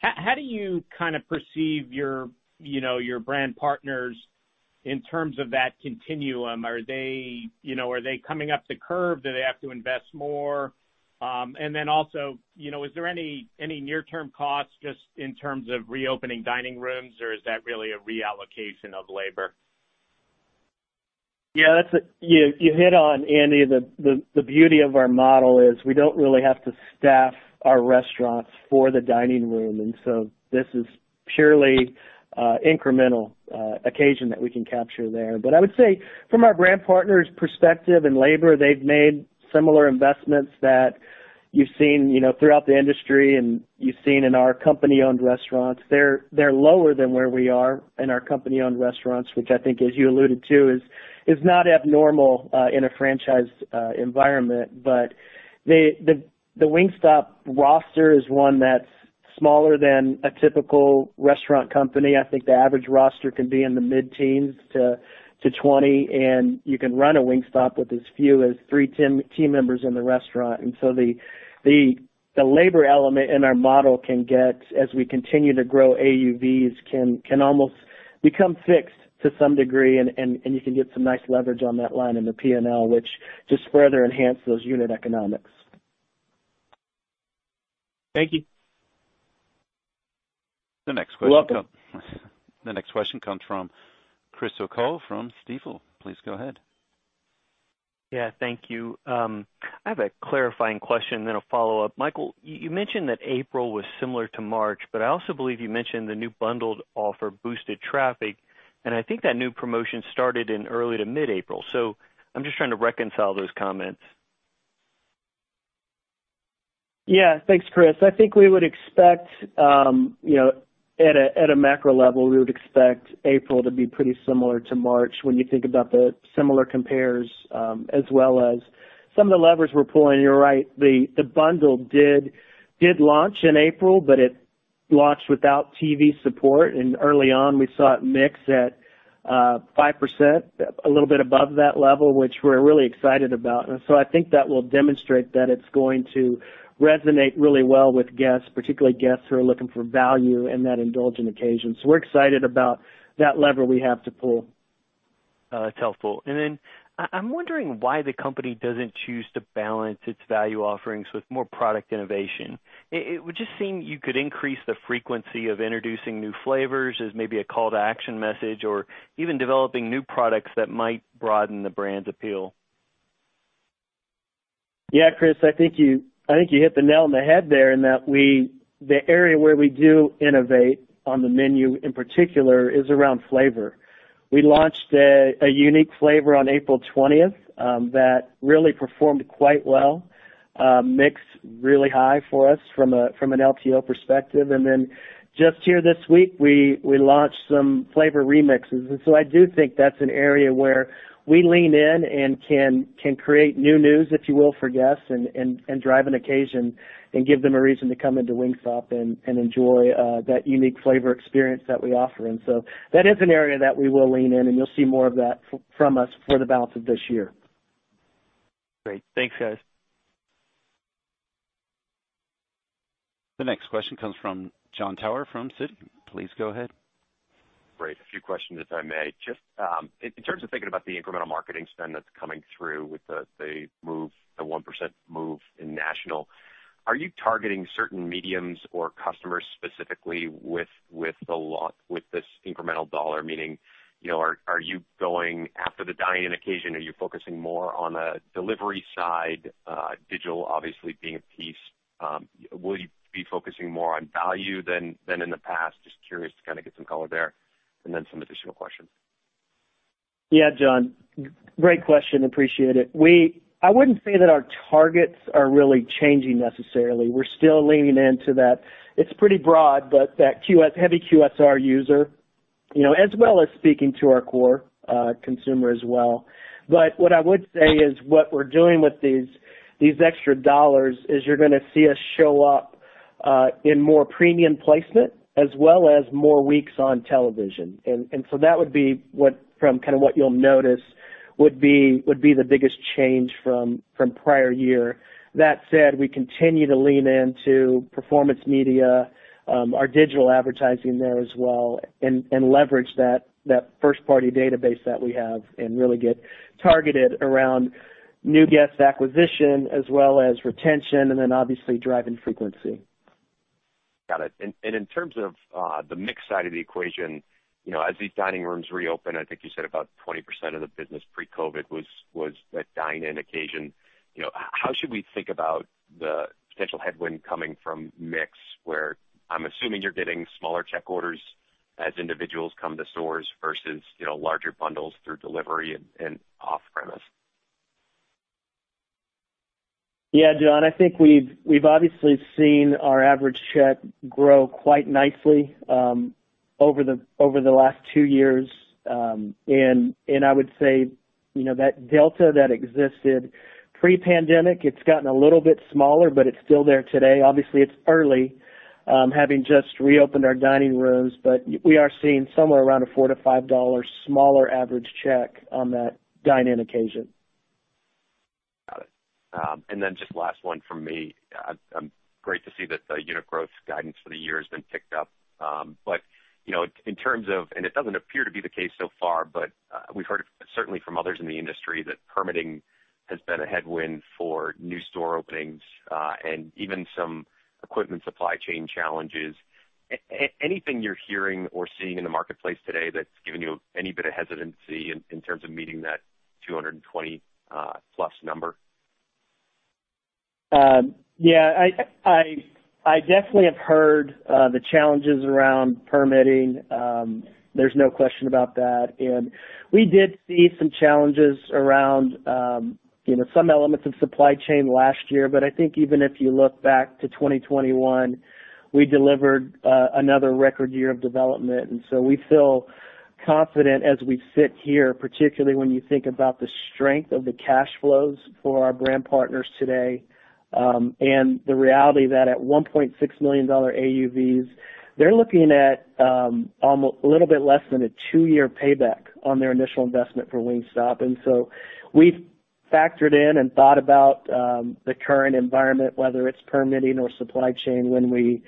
I: How do you kind of perceive your you know, your brand partners in terms of that continuum? Are they, you know, coming up to curve? Do they have to invest more? Also, you know, is there any near-term costs just in terms of reopening dining rooms, or is that really a reallocation of labor?
C: Yeah, you hit on, Andy, the beauty of our model is we don't really have to staff our restaurants for the dining room. This is purely incremental occasion that we can capture there. I would say from our brand partners' perspective and labor, they've made similar investments that you've seen, you know, throughout the industry and you've seen in our company-owned restaurants. They're lower than where we are in our company-owned restaurants, which I think, as you alluded to, is not abnormal in a franchise environment. The Wingstop roster is one that's smaller than a typical restaurant company. I think the average roster can be in the mid-teens to 20, and you can run a Wingstop with as few as three team members in the restaurant. The labor element in our model, as we continue to grow AUVs, can almost become fixed to some degree, and you can get some nice leverage on that line in the P&L, which just further enhance those unit economics.
I: Thank you.
A: The next question.
C: You're welcome.
A: The next question comes from Chris O'Cull from Stifel. Please go ahead.
J: Yeah, thank you. I have a clarifying question, then a follow-up. Michael, you mentioned that April was similar to March, but I also believe you mentioned the new bundled offer boosted traffic. I think that new promotion started in early to mid-April. I'm just trying to reconcile those comments.
C: Yeah. Thanks, Chris. I think we would expect, you know, at a macro level, we would expect April to be pretty similar to March when you think about the similar compares, as well as some of the levers we're pulling. You're right. The bundle did launch in April, but it launched without TV support. Early on, we saw it mix at 5%, a little bit above that level, which we're really excited about. I think that will demonstrate that it's going to resonate really well with guests, particularly guests who are looking for value in that indulgent occasion. We're excited about that lever we have to pull.
J: That's helpful. I'm wondering why the company doesn't choose to balance its value offerings with more product innovation. It would just seem you could increase the frequency of introducing new flavors as maybe a call to action message or even developing new products that might broaden the brand's appeal.
C: Yeah, Chris, I think you hit the nail on the head there, in that the area where we do innovate on the menu, in particular, is around flavor. We launched a unique flavor on April 20th that really performed quite well, mixed really high for us from an LTO perspective. Just here this week, we launched some flavor remixes. I do think that's an area where we lean in and can create new news, if you will, for guests and drive an occasion and give them a reason to come into Wingstop and enjoy that unique flavor experience that we offer. That is an area that we will lean in, and you'll see more of that from us for the balance of this year.
J: Great. Thanks, guys.
A: The next question comes from Jon Tower from Citi. Please go ahead.
K: Great. A few questions, if I may. Just in terms of thinking about the incremental marketing spend that's coming through with the move, the 1% move in national, are you targeting certain mediums or customers specifically with this incremental dollar? Meaning, you know, are you going after the dine-in occasion? Are you focusing more on a delivery side, digital obviously being a piece? Will you be focusing more on value than in the past? Just curious to kind of get some color there. Some additional questions.
C: Yeah, John. Great question. Appreciate it. I wouldn't say that our targets are really changing necessarily. We're still leaning into that. It's pretty broad, but that heavy QSR user, you know, as well as speaking to our core consumer as well. But what I would say is, what we're doing with these extra dollars is you're gonna see us show up in more premium placement as well as more weeks on television. So that would be what, from kind of what you'll notice would be the biggest change from prior year. That said, we continue to lean into performance media, our digital advertising there as well, and leverage that first party database that we have and really get targeted around new guest acquisition as well as retention and then obviously driving frequency.
K: Got it. In terms of the mix side of the equation, you know, as these dining rooms reopen, I think you said about 20% of the business pre-COVID was a dine-in occasion. You know, how should we think about the potential headwind coming from mix, where I'm assuming you're getting smaller check orders as individuals come to stores versus, you know, larger bundles through delivery and off-premise?
C: Yeah, John, I think we've obviously seen our average check grow quite nicely over the last two years. I would say, you know, that delta that existed pre-pandemic, it's gotten a little bit smaller, but it's still there today. Obviously, it's early, having just reopened our dining rooms, but we are seeing somewhere around a $4-$5 smaller average check on that dine-in occasion.
K: Got it. Just last one from me. Great to see that the unit growth guidance for the year has been picked up. You know, in terms of, and it doesn't appear to be the case so far, but we've heard certainly from others in the industry that permitting Has been a headwind for new store openings and even some equipment supply chain challenges. Anything you're hearing or seeing in the marketplace today that's giving you any bit of hesitancy in terms of meeting that 220+ number?
C: Yeah, I definitely have heard the challenges around permitting. There's no question about that. We did see some challenges around, you know, some elements of supply chain last year. I think even if you look back to 2021, we delivered another record year of development. We feel confident as we sit here, particularly when you think about the strength of the cash flows for our brand partners today, and the reality that at $1.6 million AUVs, they're looking at a little bit less than a two-year payback on their initial investment for Wingstop. We factored in and thought about the current environment, whether it's permitting or supply chain, when we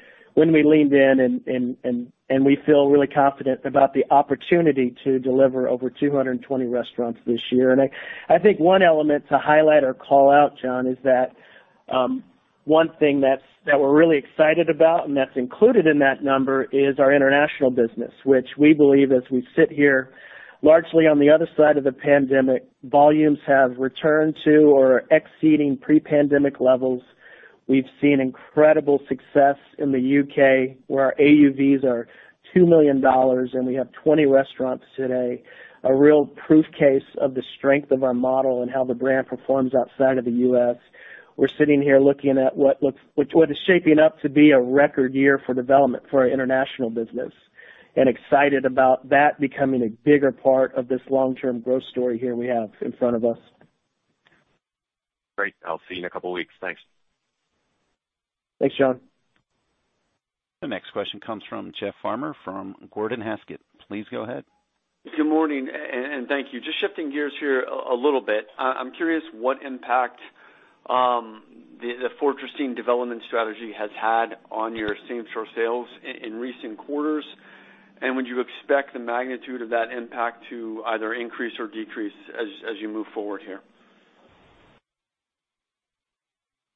C: leaned in and we feel really confident about the opportunity to deliver over 220 restaurants this year. I think one element to highlight or call out, John, is that one thing that's we're really excited about and that's included in that number is our international business, which we believe as we sit here largely on the other side of the pandemic, volumes have returned to or exceeding pre-pandemic levels. We've seen incredible success in the U.K., where our AUVs are $2 million, and we have 20 restaurants today. A real proof case of the strength of our model and how the brand performs outside of the U.S.. We're sitting here looking at what is shaping up to be a record year for development for our international business, and excited about that becoming a bigger part of this long-term growth story here we have in front of us.
K: Great. I'll see you in a couple of weeks. Thanks.
C: Thanks, Jon.
A: The next question comes from Jeff Farmer from Gordon Haskett. Please go ahead.
L: Good morning, thank you. Just shifting gears here a little bit. I'm curious what impact the Fortressing development strategy has had on your same-store sales in recent quarters, and would you expect the magnitude of that impact to either increase or decrease as you move forward here?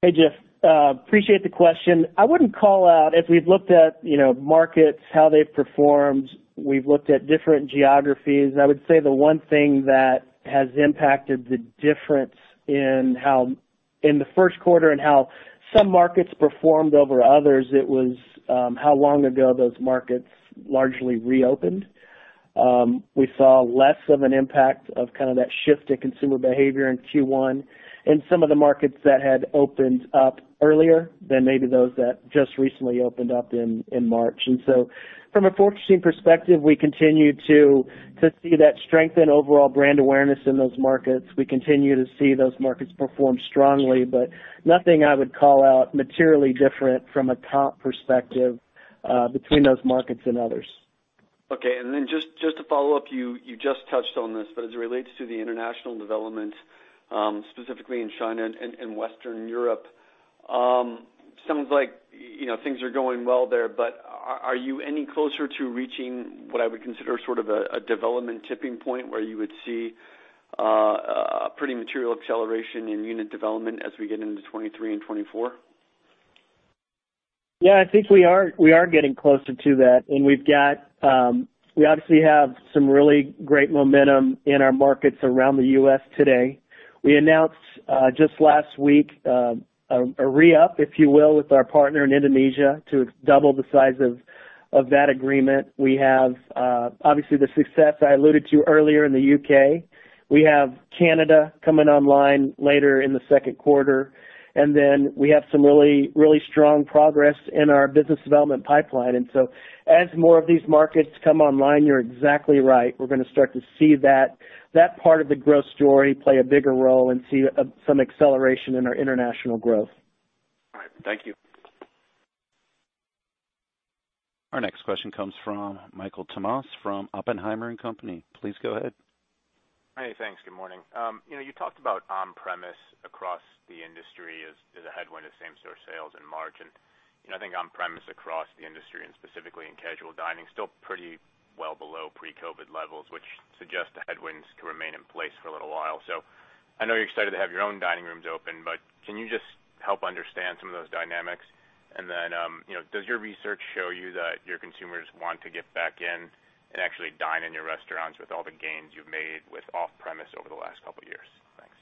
C: Hey, Jeff, appreciate the question. I wouldn't call out if we've looked at, you know, markets, how they've performed. We've looked at different geographies. I would say the one thing that has impacted the difference in the first quarter and how some markets performed over others, it was how long ago those markets largely reopened. We saw less of an impact of kind of that shift in consumer behavior in Q1 in some of the markets that had opened up earlier than maybe those that just recently opened up in March. From a Fortressing perspective, we continue to see that strength and overall brand awareness in those markets. We continue to see those markets perform strongly, but nothing I would call out materially different from a comp perspective between those markets and others.
L: Okay. Then just to follow up, you just touched on this, but as it relates to the international development, specifically in China and Western Europe, sounds like, you know, things are going well there, but are you any closer to reaching what I would consider sort of a development tipping point where you would see a pretty material acceleration in unit development as we get into 2023 and 2024?
C: Yeah, I think we are getting closer to that. We've got. We obviously have some really great momentum in our markets around the U.S. today. We announced just last week a re-up, if you will, with our partner in Indonesia to double the size of that agreement. We have obviously the success I alluded to earlier in the U.K.. We have Canada coming online later in the second quarter, and then we have some really strong progress in our business development pipeline. As more of these markets come online, you're exactly right. We're gonna start to see that part of the growth story play a bigger role and see some acceleration in our international growth.
L: All right. Thank you.
A: Our next question comes from Michael Tamas from Oppenheimer & Co. Please go ahead.
M: Hey, thanks. Good morning. You know, you talked about on-premise across the industry as a headwind of same-store sales in March. You know, I think on-premise across the industry and specifically in casual dining still pretty well below pre-COVID levels, which suggests the headwinds could remain in place for a little while. I know you're excited to have your own dining rooms open, but can you just help understand some of those dynamics? You know, does your research show you that your consumers want to get back in and actually dine in your restaurants with all the gains you've made with off-premise over the last couple of years? Thanks.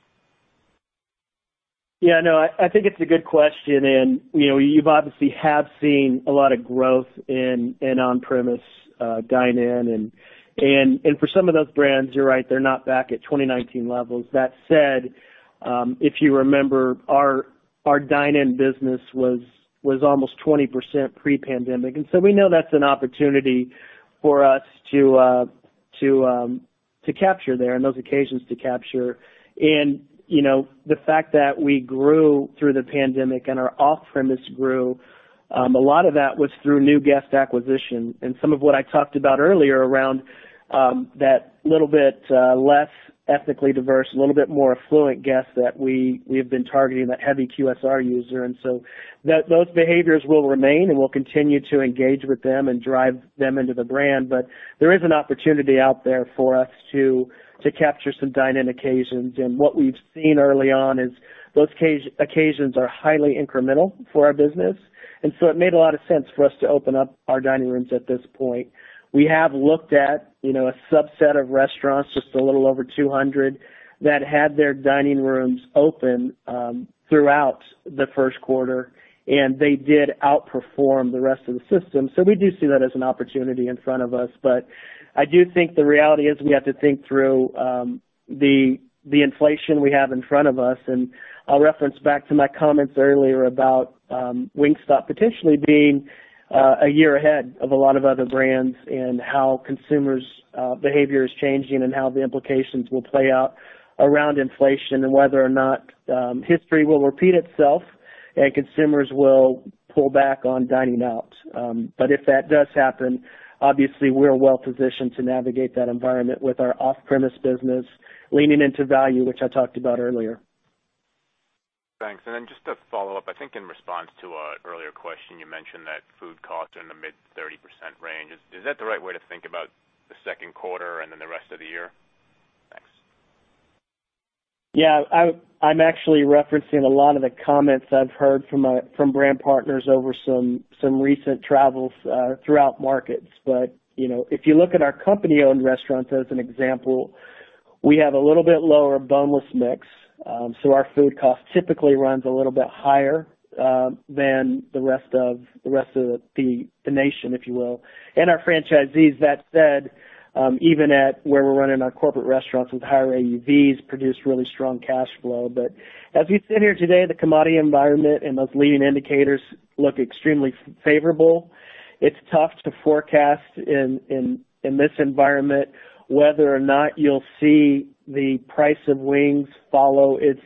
C: I think it's a good question. You know, you've obviously have seen a lot of growth in on-premise, dine-in and for some of those brands, you're right, they're no tback at 2019 levels. That said, if you remember, our dine-in business was almost 20% pre-pandemic, we know that's an opportunity for us to capture there and those occasions to capture. You know, the fact that we grew through the pandemic and our off-premise grew, a lot of that was through new guest acquisition. Some of what I talked about earlier around that little bit less ethnically diverse, a little bit more affluent guest that we have been targeting, the heavy QSR user. Those behaviors will remain, and we'll continue to engage with them and drive them into the brand. There is an opportunity out there for us to capture some dine-in occasions. What we've seen early on is those occasions are highly incremental for our business. It made a lot of sense for us to open up our dining rooms at this point. We have looked at, you know, a subset of restaurants, just a little over 200, that had their dining rooms open throughout the first quarter, and they did outperform the rest of the system. We do see that as an opportunity in front of us. I do think the reality is we have to think through the inflation we have in front of us. I'll reference back to my comments earlier about Wingstop potentially being a year ahead of a lot of other brands in how consumers behavior is changing and how the implications will play out around inflation and whether or not history will repeat itself and consumers will pull back on dining out. If that does happen, obviously, we're well-positioned to navigate that environment with our off-premise business leaning into value, which I talked about earlier.
M: Thanks. Just to follow up, I think in response to an earlier question, you mentioned that food costs are in the mid-30% range. Is that the right way to think about the second quarter and then the rest of the year? Thanks.
C: Yeah. I'm actually referencing a lot of the comments I've heard from brand partners over some recent travels throughout markets. You know, if you look at our company-owned restaurants as an example, we have a little bit lower boneless mix, so our food cost typically runs a little bit higher than the rest of the nation, if you will. Our franchisees, that said, even at where we're running our corporate restaurants with higher AUVs, produce really strong cash flow. As you sit here today, the commodity environment and those leading indicators look extremely favorable. It's tough to forecast in this environment whether or not you'll see the price of wings follow its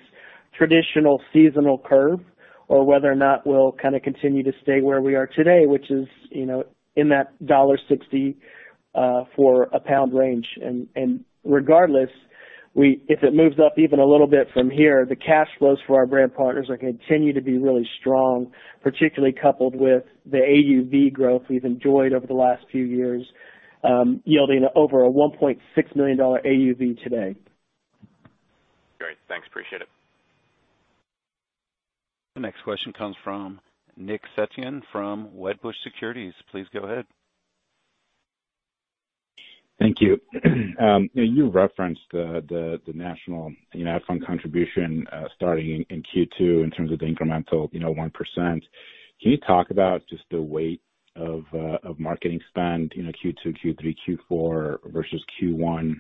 C: traditional seasonal curve or whether or not we'll kind of continue to stay where we are today, which is, you know, in that $1.60 for a pound range. Regardless, if it moves up even a little bit from here, the cash flows for our brand partners continue to be really strong, particularly coupled with the AUV growth we've enjoyed over the last few years, yielding over a $1.6 million AUV today.
M: Great. Thanks. Appreciate it.
A: The next question comes from Nick Setyan from Wedbush Securities. Please go ahead.
N: Thank you. You referenced the national, you know, ad fund contribution starting in Q2 in terms of the incremental, you know, 1%. Can you talk about just the weight of marketing spend in the Q2, Q3, Q4 versus Q1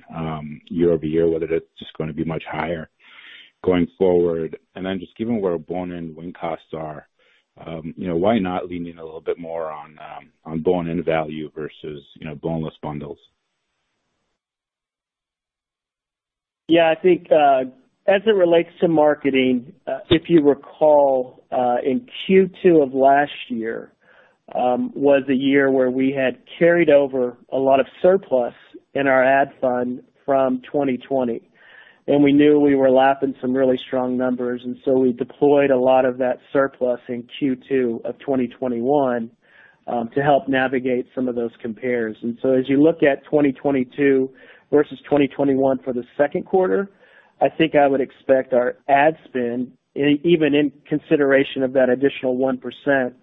N: year-over-year, whether that's just gonna be much higher going forward? Just given where bone-in wing costs are, you know, why not lean in a little bit more on bone-in value versus, you know, boneless bundles?
C: Yeah. I think, as it relates to marketing, if you recall, in Q2 of last year, was a year where we had carried over a lot of surplus in our ad fund from 2020, and we knew we were lapping some really strong numbers. We deployed a lot of that surplus in Q2 of 2021, to help navigate some of those compares. As you look at 2022 versus 2021 for the second quarter, I think I would expect our ad spend, even in consideration of that additional 1%,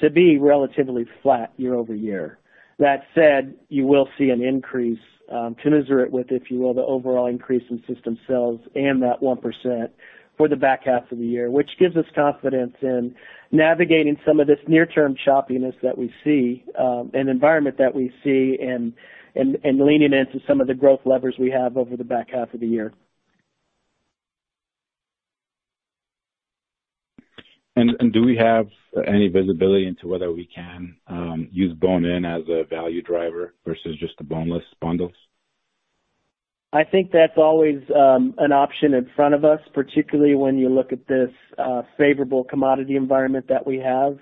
C: to be relatively flat year-over-year. That said, you will see an increase, commensurate with, if you will, the overall increase in system sales and that 1% for the back half of the year, which gives us confidence in navigating some of this near-term choppiness that we see, and environment that we see and leaning into some of the growth levers we have over the back half of the year.
N: Do we have any visibility into whether we can use bone-in as a value driver versus just the boneless bundles?
C: I think that's always an option in front of us, particularly when you look at this favorable commodity environment that we have.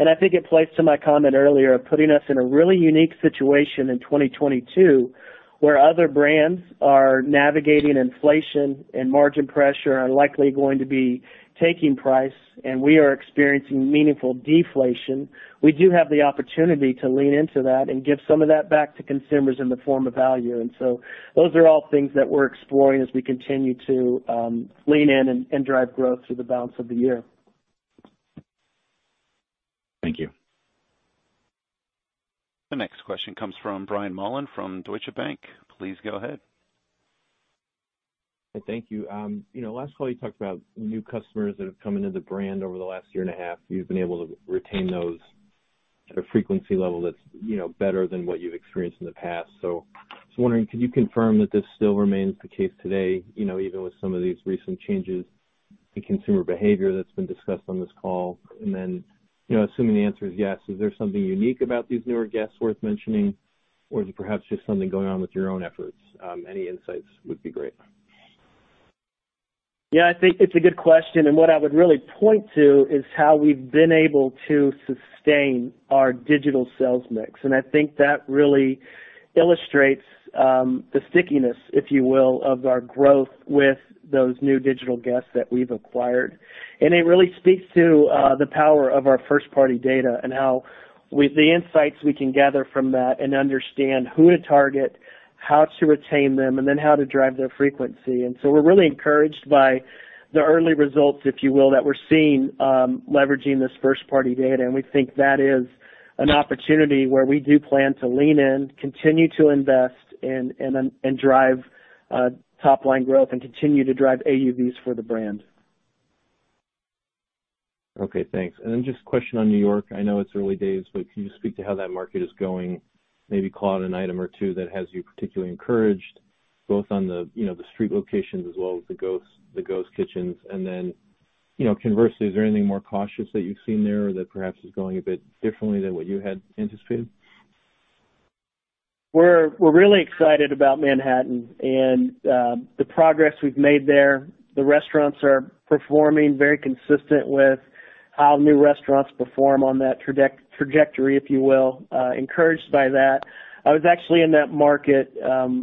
C: I think it plays to my comment earlier of putting us in a really unique situation in 2022, where other brands are navigating inflation and margin pressure and likely going to be taking price, and we are experiencing meaningful deflation. We do have the opportunity to lean into that and give some of that back to consumers in the form of value. Those are all things that we're exploring as we continue to lean in and drive growth through the balance of the year.
N: Thank you.
A: The next question comes from Brian Mullan from Deutsche Bank. Please go ahead.
O: Thank you. You know, last call you talked about new customers that have come into the brand over the last year and a half. You've been able to retain those at a frequency level that's, you know, better than what you've experienced in the past. I was wondering, could you confirm that this still remains the case today, you know, even with some of these recent changes in consumer behavior that's been discussed on this call? You know, assuming the answer is yes, is there something unique about these newer guests worth mentioning, or is it perhaps just something going on with your own efforts? Any insights would be great.
C: Yeah, I think it's a good question. What I would really point to is how we've been able to sustain our digital sales mix. I think that really illustrates the stickiness, if you will, of our growth with those new digital guests that we've acquired. It really speaks to the power of our first party data and how with the insights we can gather from that and understand who to target, how to retain them, and then how to drive their frequency. We're really encouraged by the early results, if you will, that we're seeing, leveraging this first party data. We think that is an opportunity where we do plan to lean in, continue to invest and drive top line growth and continue to drive AUVs for the brand.
O: Okay, thanks. Just a question on New York. I know it's early days, but can you speak to how that market is going? Maybe call out an item or two that has you particularly encouraged, both on the, you know, the street locations as well as the ghost kitchens. You know, conversely, is there anything more cautious that you've seen there or that perhaps is going a bit differently than what you had anticipated?
C: We're really excited about Manhattan and the progress we've made there. The restaurants are performing very consistently with how new restaurants perform on that trajectory, if you will, encouraged by that. I was actually in that market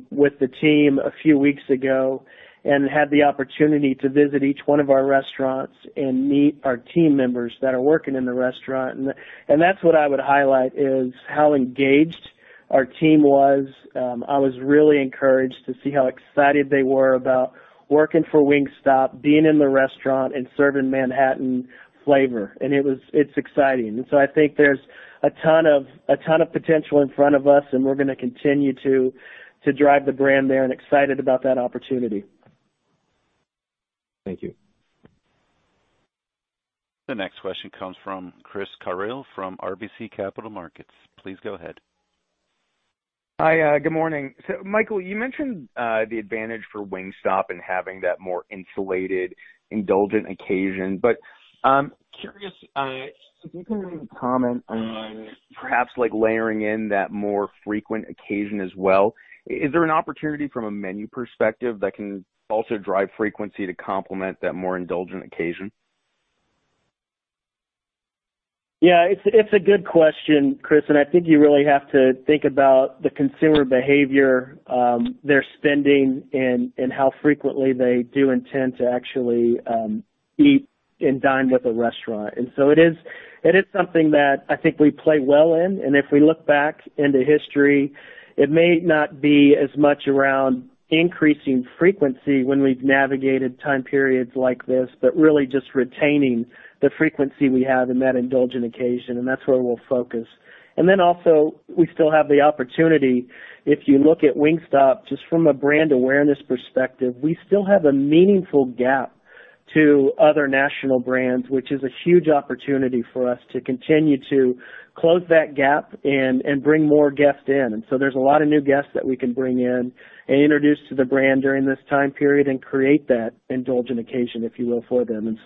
C: with the team a few weeks ago and had the opportunity to visit each one of our restaurants and meet our team members that are working in the restaurant. That's what I would highlight is how engaged our team was. I was really encouraged to see how excited they were about working for Wingstop, being in the restaurant and serving Manhattan flavor. It's exciting. I think there's a ton of potential in front of us, and we're gonna continue to drive the brand there and excited about that opportunity.
O: Thank you.
A: The next question comes from Chris Carril from RBC Capital Markets. Please go ahead.
P: Hi. Good morning. Michael, you mentioned the advantage for Wingstop in having that more insulated, indulgent occasion. I'm curious if you can comment on perhaps like layering in that more frequent occasion as well. Is there an opportunity from a menu perspective that can also drive frequency to complement that more indulgent occasion?
C: Yeah, it's a good question, Chris, and I think you really have to think about the consumer behavior, their spending and how frequently they do intend to actually eat and dine with a restaurant. It is something that I think we play well in. If we look back into history, it may not be as much around increasing frequency when we've navigated time periods like this, but really just retaining the frequency we have in that indulgent occasion. That's where we'll focus. We still have the opportunity. If you look at Wingstop, just from a brand awareness perspective, we still have a meaningful gap to other national brands, which is a huge opportunity for us to continue to close that gap and bring more guests in. There's a lot of new guests that we can bring in and introduce to the brand during this time period and create that indulgent occasion, if you will, for them.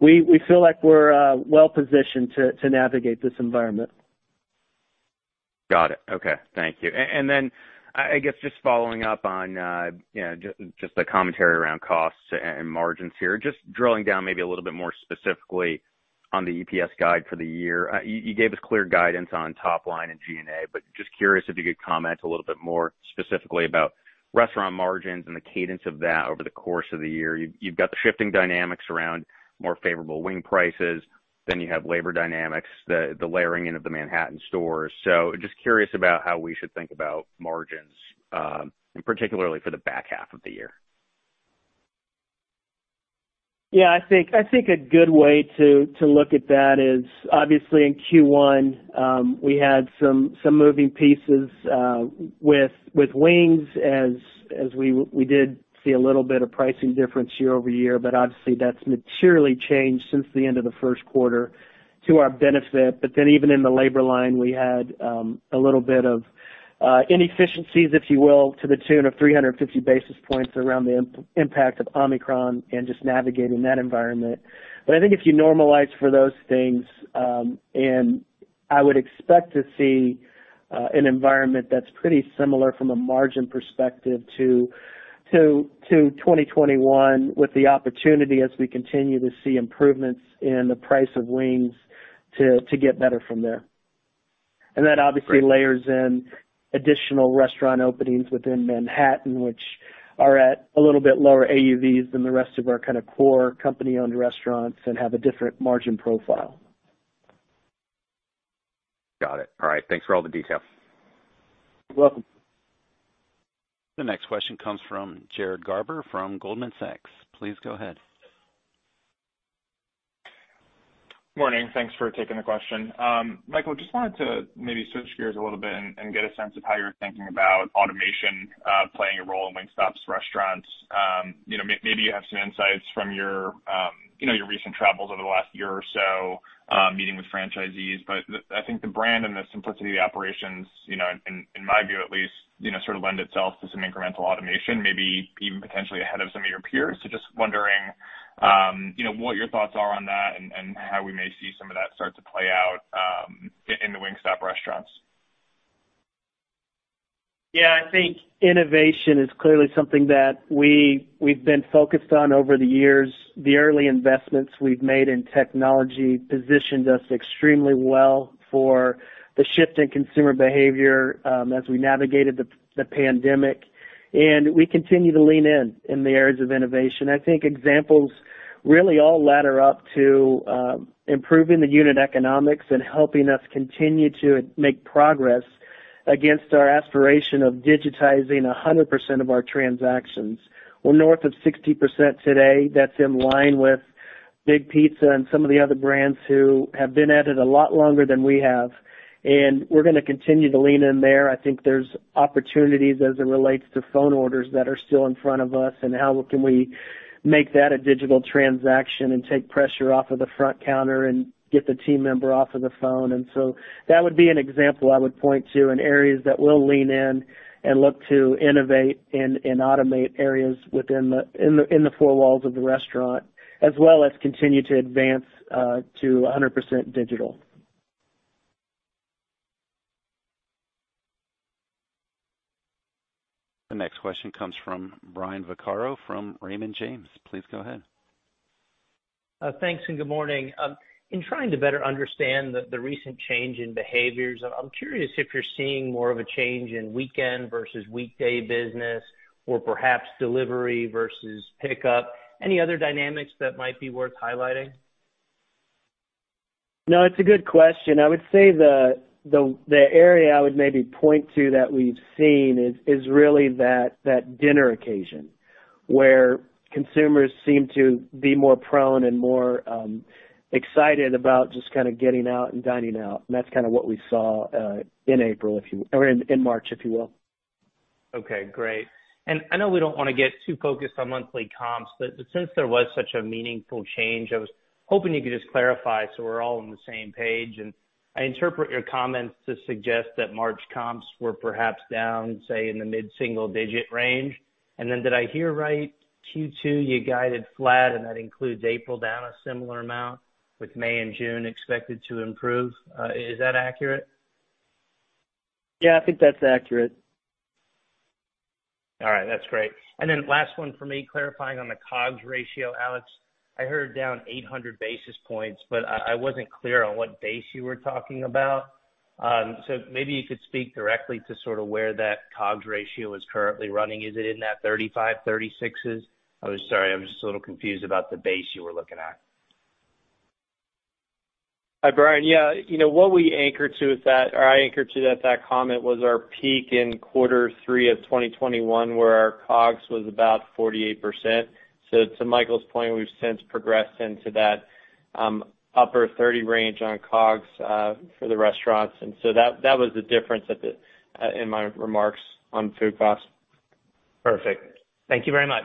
C: We feel like we're well positioned to navigate this environment.
P: Got it. Okay. Thank you. Then I guess just following up on you know just the commentary around costs and margins here. Just drilling down maybe a little bit more specifically on the EPS guide for the year. You gave us clear guidance on top line and SG&A, but just curious if you could comment a little bit more specifically about restaurant margins and the cadence of that over the course of the year. You've got the shifting dynamics around more favorable wing prices, then you have labor dynamics, the layering in of the Manhattan stores. Just curious about how we should think about margins, and particularly for the back half of the year.
C: Yeah. I think a good way to look at that is obviously in Q1, we had some moving pieces with wings as we did see a little bit of pricing difference year-over-year, but obviously that's materially changed since the end of the first quarter to our benefit. Even in the labor line, we had a little bit of inefficiencies, if you will, to the tune of 350 basis points around the impact of Omicron and just navigating that environment. I think if you normalize for those things, and I would expect to see an environment that's pretty similar from a margin perspective to 2021 with the opportunity as we continue to see improvements in the price of wings to get better from there. That obviously layers in additional restaurant openings within Manhattan, which are at a little bit lower AUVs than the rest of our kind of core company-owned restaurants and have a different margin profile.
P: Got it. All right. Thanks for all the detail.
C: You're welcome.
A: The next question comes from Jared Garber from Goldman Sachs. Please go ahead.
Q: Morning. Thanks for taking the question. Michael, just wanted to maybe switch gears a little bit and get a sense of how you're thinking about automation playing a role in Wingstop's restaurants. You know, maybe you have some insights from your you know your recent travels over the last year or so meeting with franchisees. The brand and the simplicity of the operations you know in my view at least you know sort of lend itself to some incremental automation maybe even potentially ahead of some of your peers. Just wondering you know what your thoughts are on that and how we may see some of that start to play out in the Wingstop restaurants.
C: Yeah, I think innovation is clearly something that we've been focused on over the years. The early investments we've made in technology positioned us extremely well for the shift in consumer behavior as we navigated the pandemic. We continue to lean in in the areas of innovation. I think examples really all ladder up to improving the unit economics and helping us continue to make progress against our aspiration of digitizing 100% of our transactions. We're north of 60% today. That's in line with Big Pizza and some of the other brands who have been at it a lot longer than we have. We're gonna continue to lean in there. I think there's opportunities as it relates to phone orders that are still in front of us and how can we make that a digital transaction and take pressure off of the front counter and get the team member off of the phone. That would be an example I would point to in areas that we'll lean in and look to innovate and automate areas within the four walls of the restaurant, as well as continue to advance to 100% digital.
A: The next question comes from Brian Vaccaro from Raymond James. Please go ahead.
R: Thanks, good morning. In trying to better understand the recent change in behaviors, I'm curious if you're seeing more of a change in weekend versus weekday business or perhaps delivery versus pickup. Any other dynamics that might be worth highlighting?
C: No, it's a good question. I would say the area I would maybe point to that we've seen is really that dinner occasion, where consumers seem to be more prone and more excited about just kinda getting out and dining out. That's kinda what we saw in April or in March, if you will.
R: Okay, great. I know we don't wanna get too focused on monthly comps, but since there was such a meaningful change, I was hoping you could just clarify so we're all on the same page. I interpret your comments to suggest that March comps were perhaps down, say, in the mid-single digit range. Did I hear right, Q2, you guided flat, and that includes April down a similar amount, with May and June expected to improve? Is that accurate?
C: Yeah, I think that's accurate.
R: All right, that's great. Last one for me, clarifying on the COGS ratio, Alex. I heard down 800 basis points, but I wasn't clear on what base you were talking about. Maybe you could speak directly to sorta where that COGS ratio is currently running. Is it in that 35, 36s? Sorry, I'm just a little confused about the base you were looking at.
D: Hi, Brian. Yeah, you know what we anchor to is that, or I anchor to that comment was our peak in quarter three of 2021, where our COGS was about 48%. To Michael's point, we've since progressed into that upper 30 range on COGS for the restaurants. That was the difference in my remarks on food costs.
R: Perfect. Thank you very much.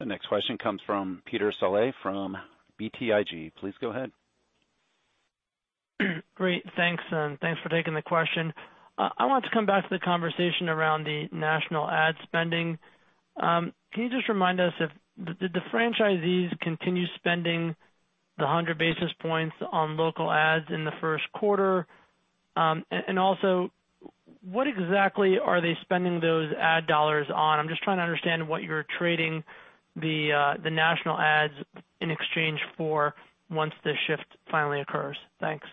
A: The next question comes from Peter Saleh from BTIG. Please go ahead.
S: Great. Thanks, and thanks for taking the question. I want to come back to the conversation around the national ad spending. Can you just remind us, did the franchisees continue spending the 100 basis points on local ads in the first quarter? And also what exactly are they spending those ad dollars on? I'm just trying to understand what you're trading the national ads in exchange for once the shift finally occurs. Thanks.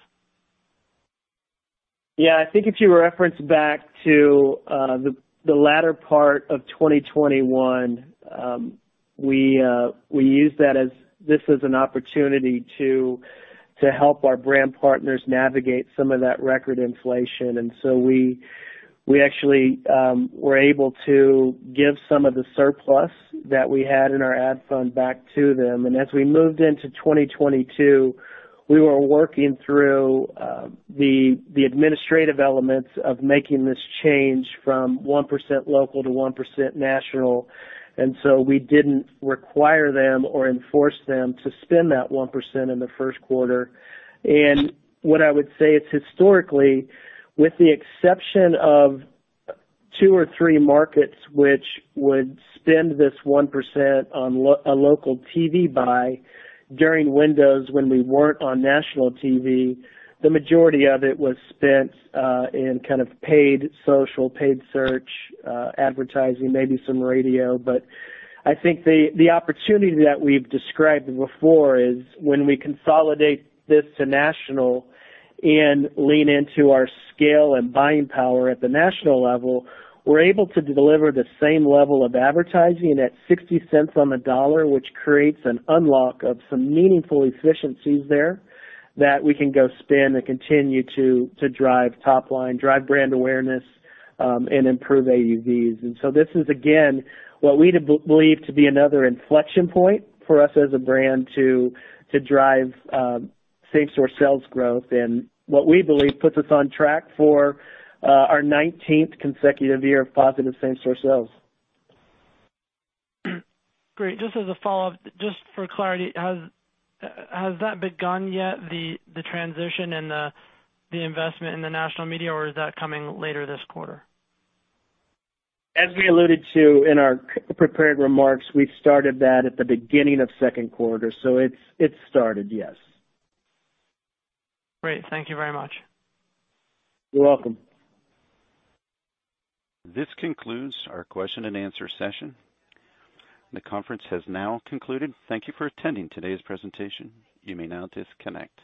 C: Yeah. I think if you reference back to the latter part of 2021, we used this as an opportunity to help our brand partners navigate some of that record inflation. We actually were able to give some of the surplus that we had in our ad fund back to them. As we moved into 2022, we were working through the administrative elements of making this change from 1% local to 1% national. We didn't require them or enforce them to spend that 1% in the first quarter. What I would say is historically, with the exception of two or three markets which would spend this 1% on local TV buy during windows when we weren't on national TV, the majority of it was spent in kind of paid social, paid search, advertising, maybe some radio. I think the opportunity that we've described before is when we consolidate this to national and lean into our scale and buying power at the national level, we're able to deliver the same level of advertising at $0.60 on the dollar, which creates an unlock of some meaningful efficiencies there that we can go spend and continue to drive top line, drive brand awareness, and improve AUVs. This is, again, what we believe to be another inflection point for us as a brand to drive same-store sales growth, and what we believe puts us on track for our nineteenth consecutive year of positive same-store sales.
S: Great. Just as a follow-up, just for clarity, has that begun yet, the transition and the investment in the national media, or is that coming later this quarter?
C: As we alluded to in our prepared remarks, we started that at the beginning of second quarter. It's started, yes.
S: Great. Thank you very much.
C: You're welcome.
A: This concludes our question and answer session. The conference has now concluded. Thank you for attending today's presentation. You may now disconnect.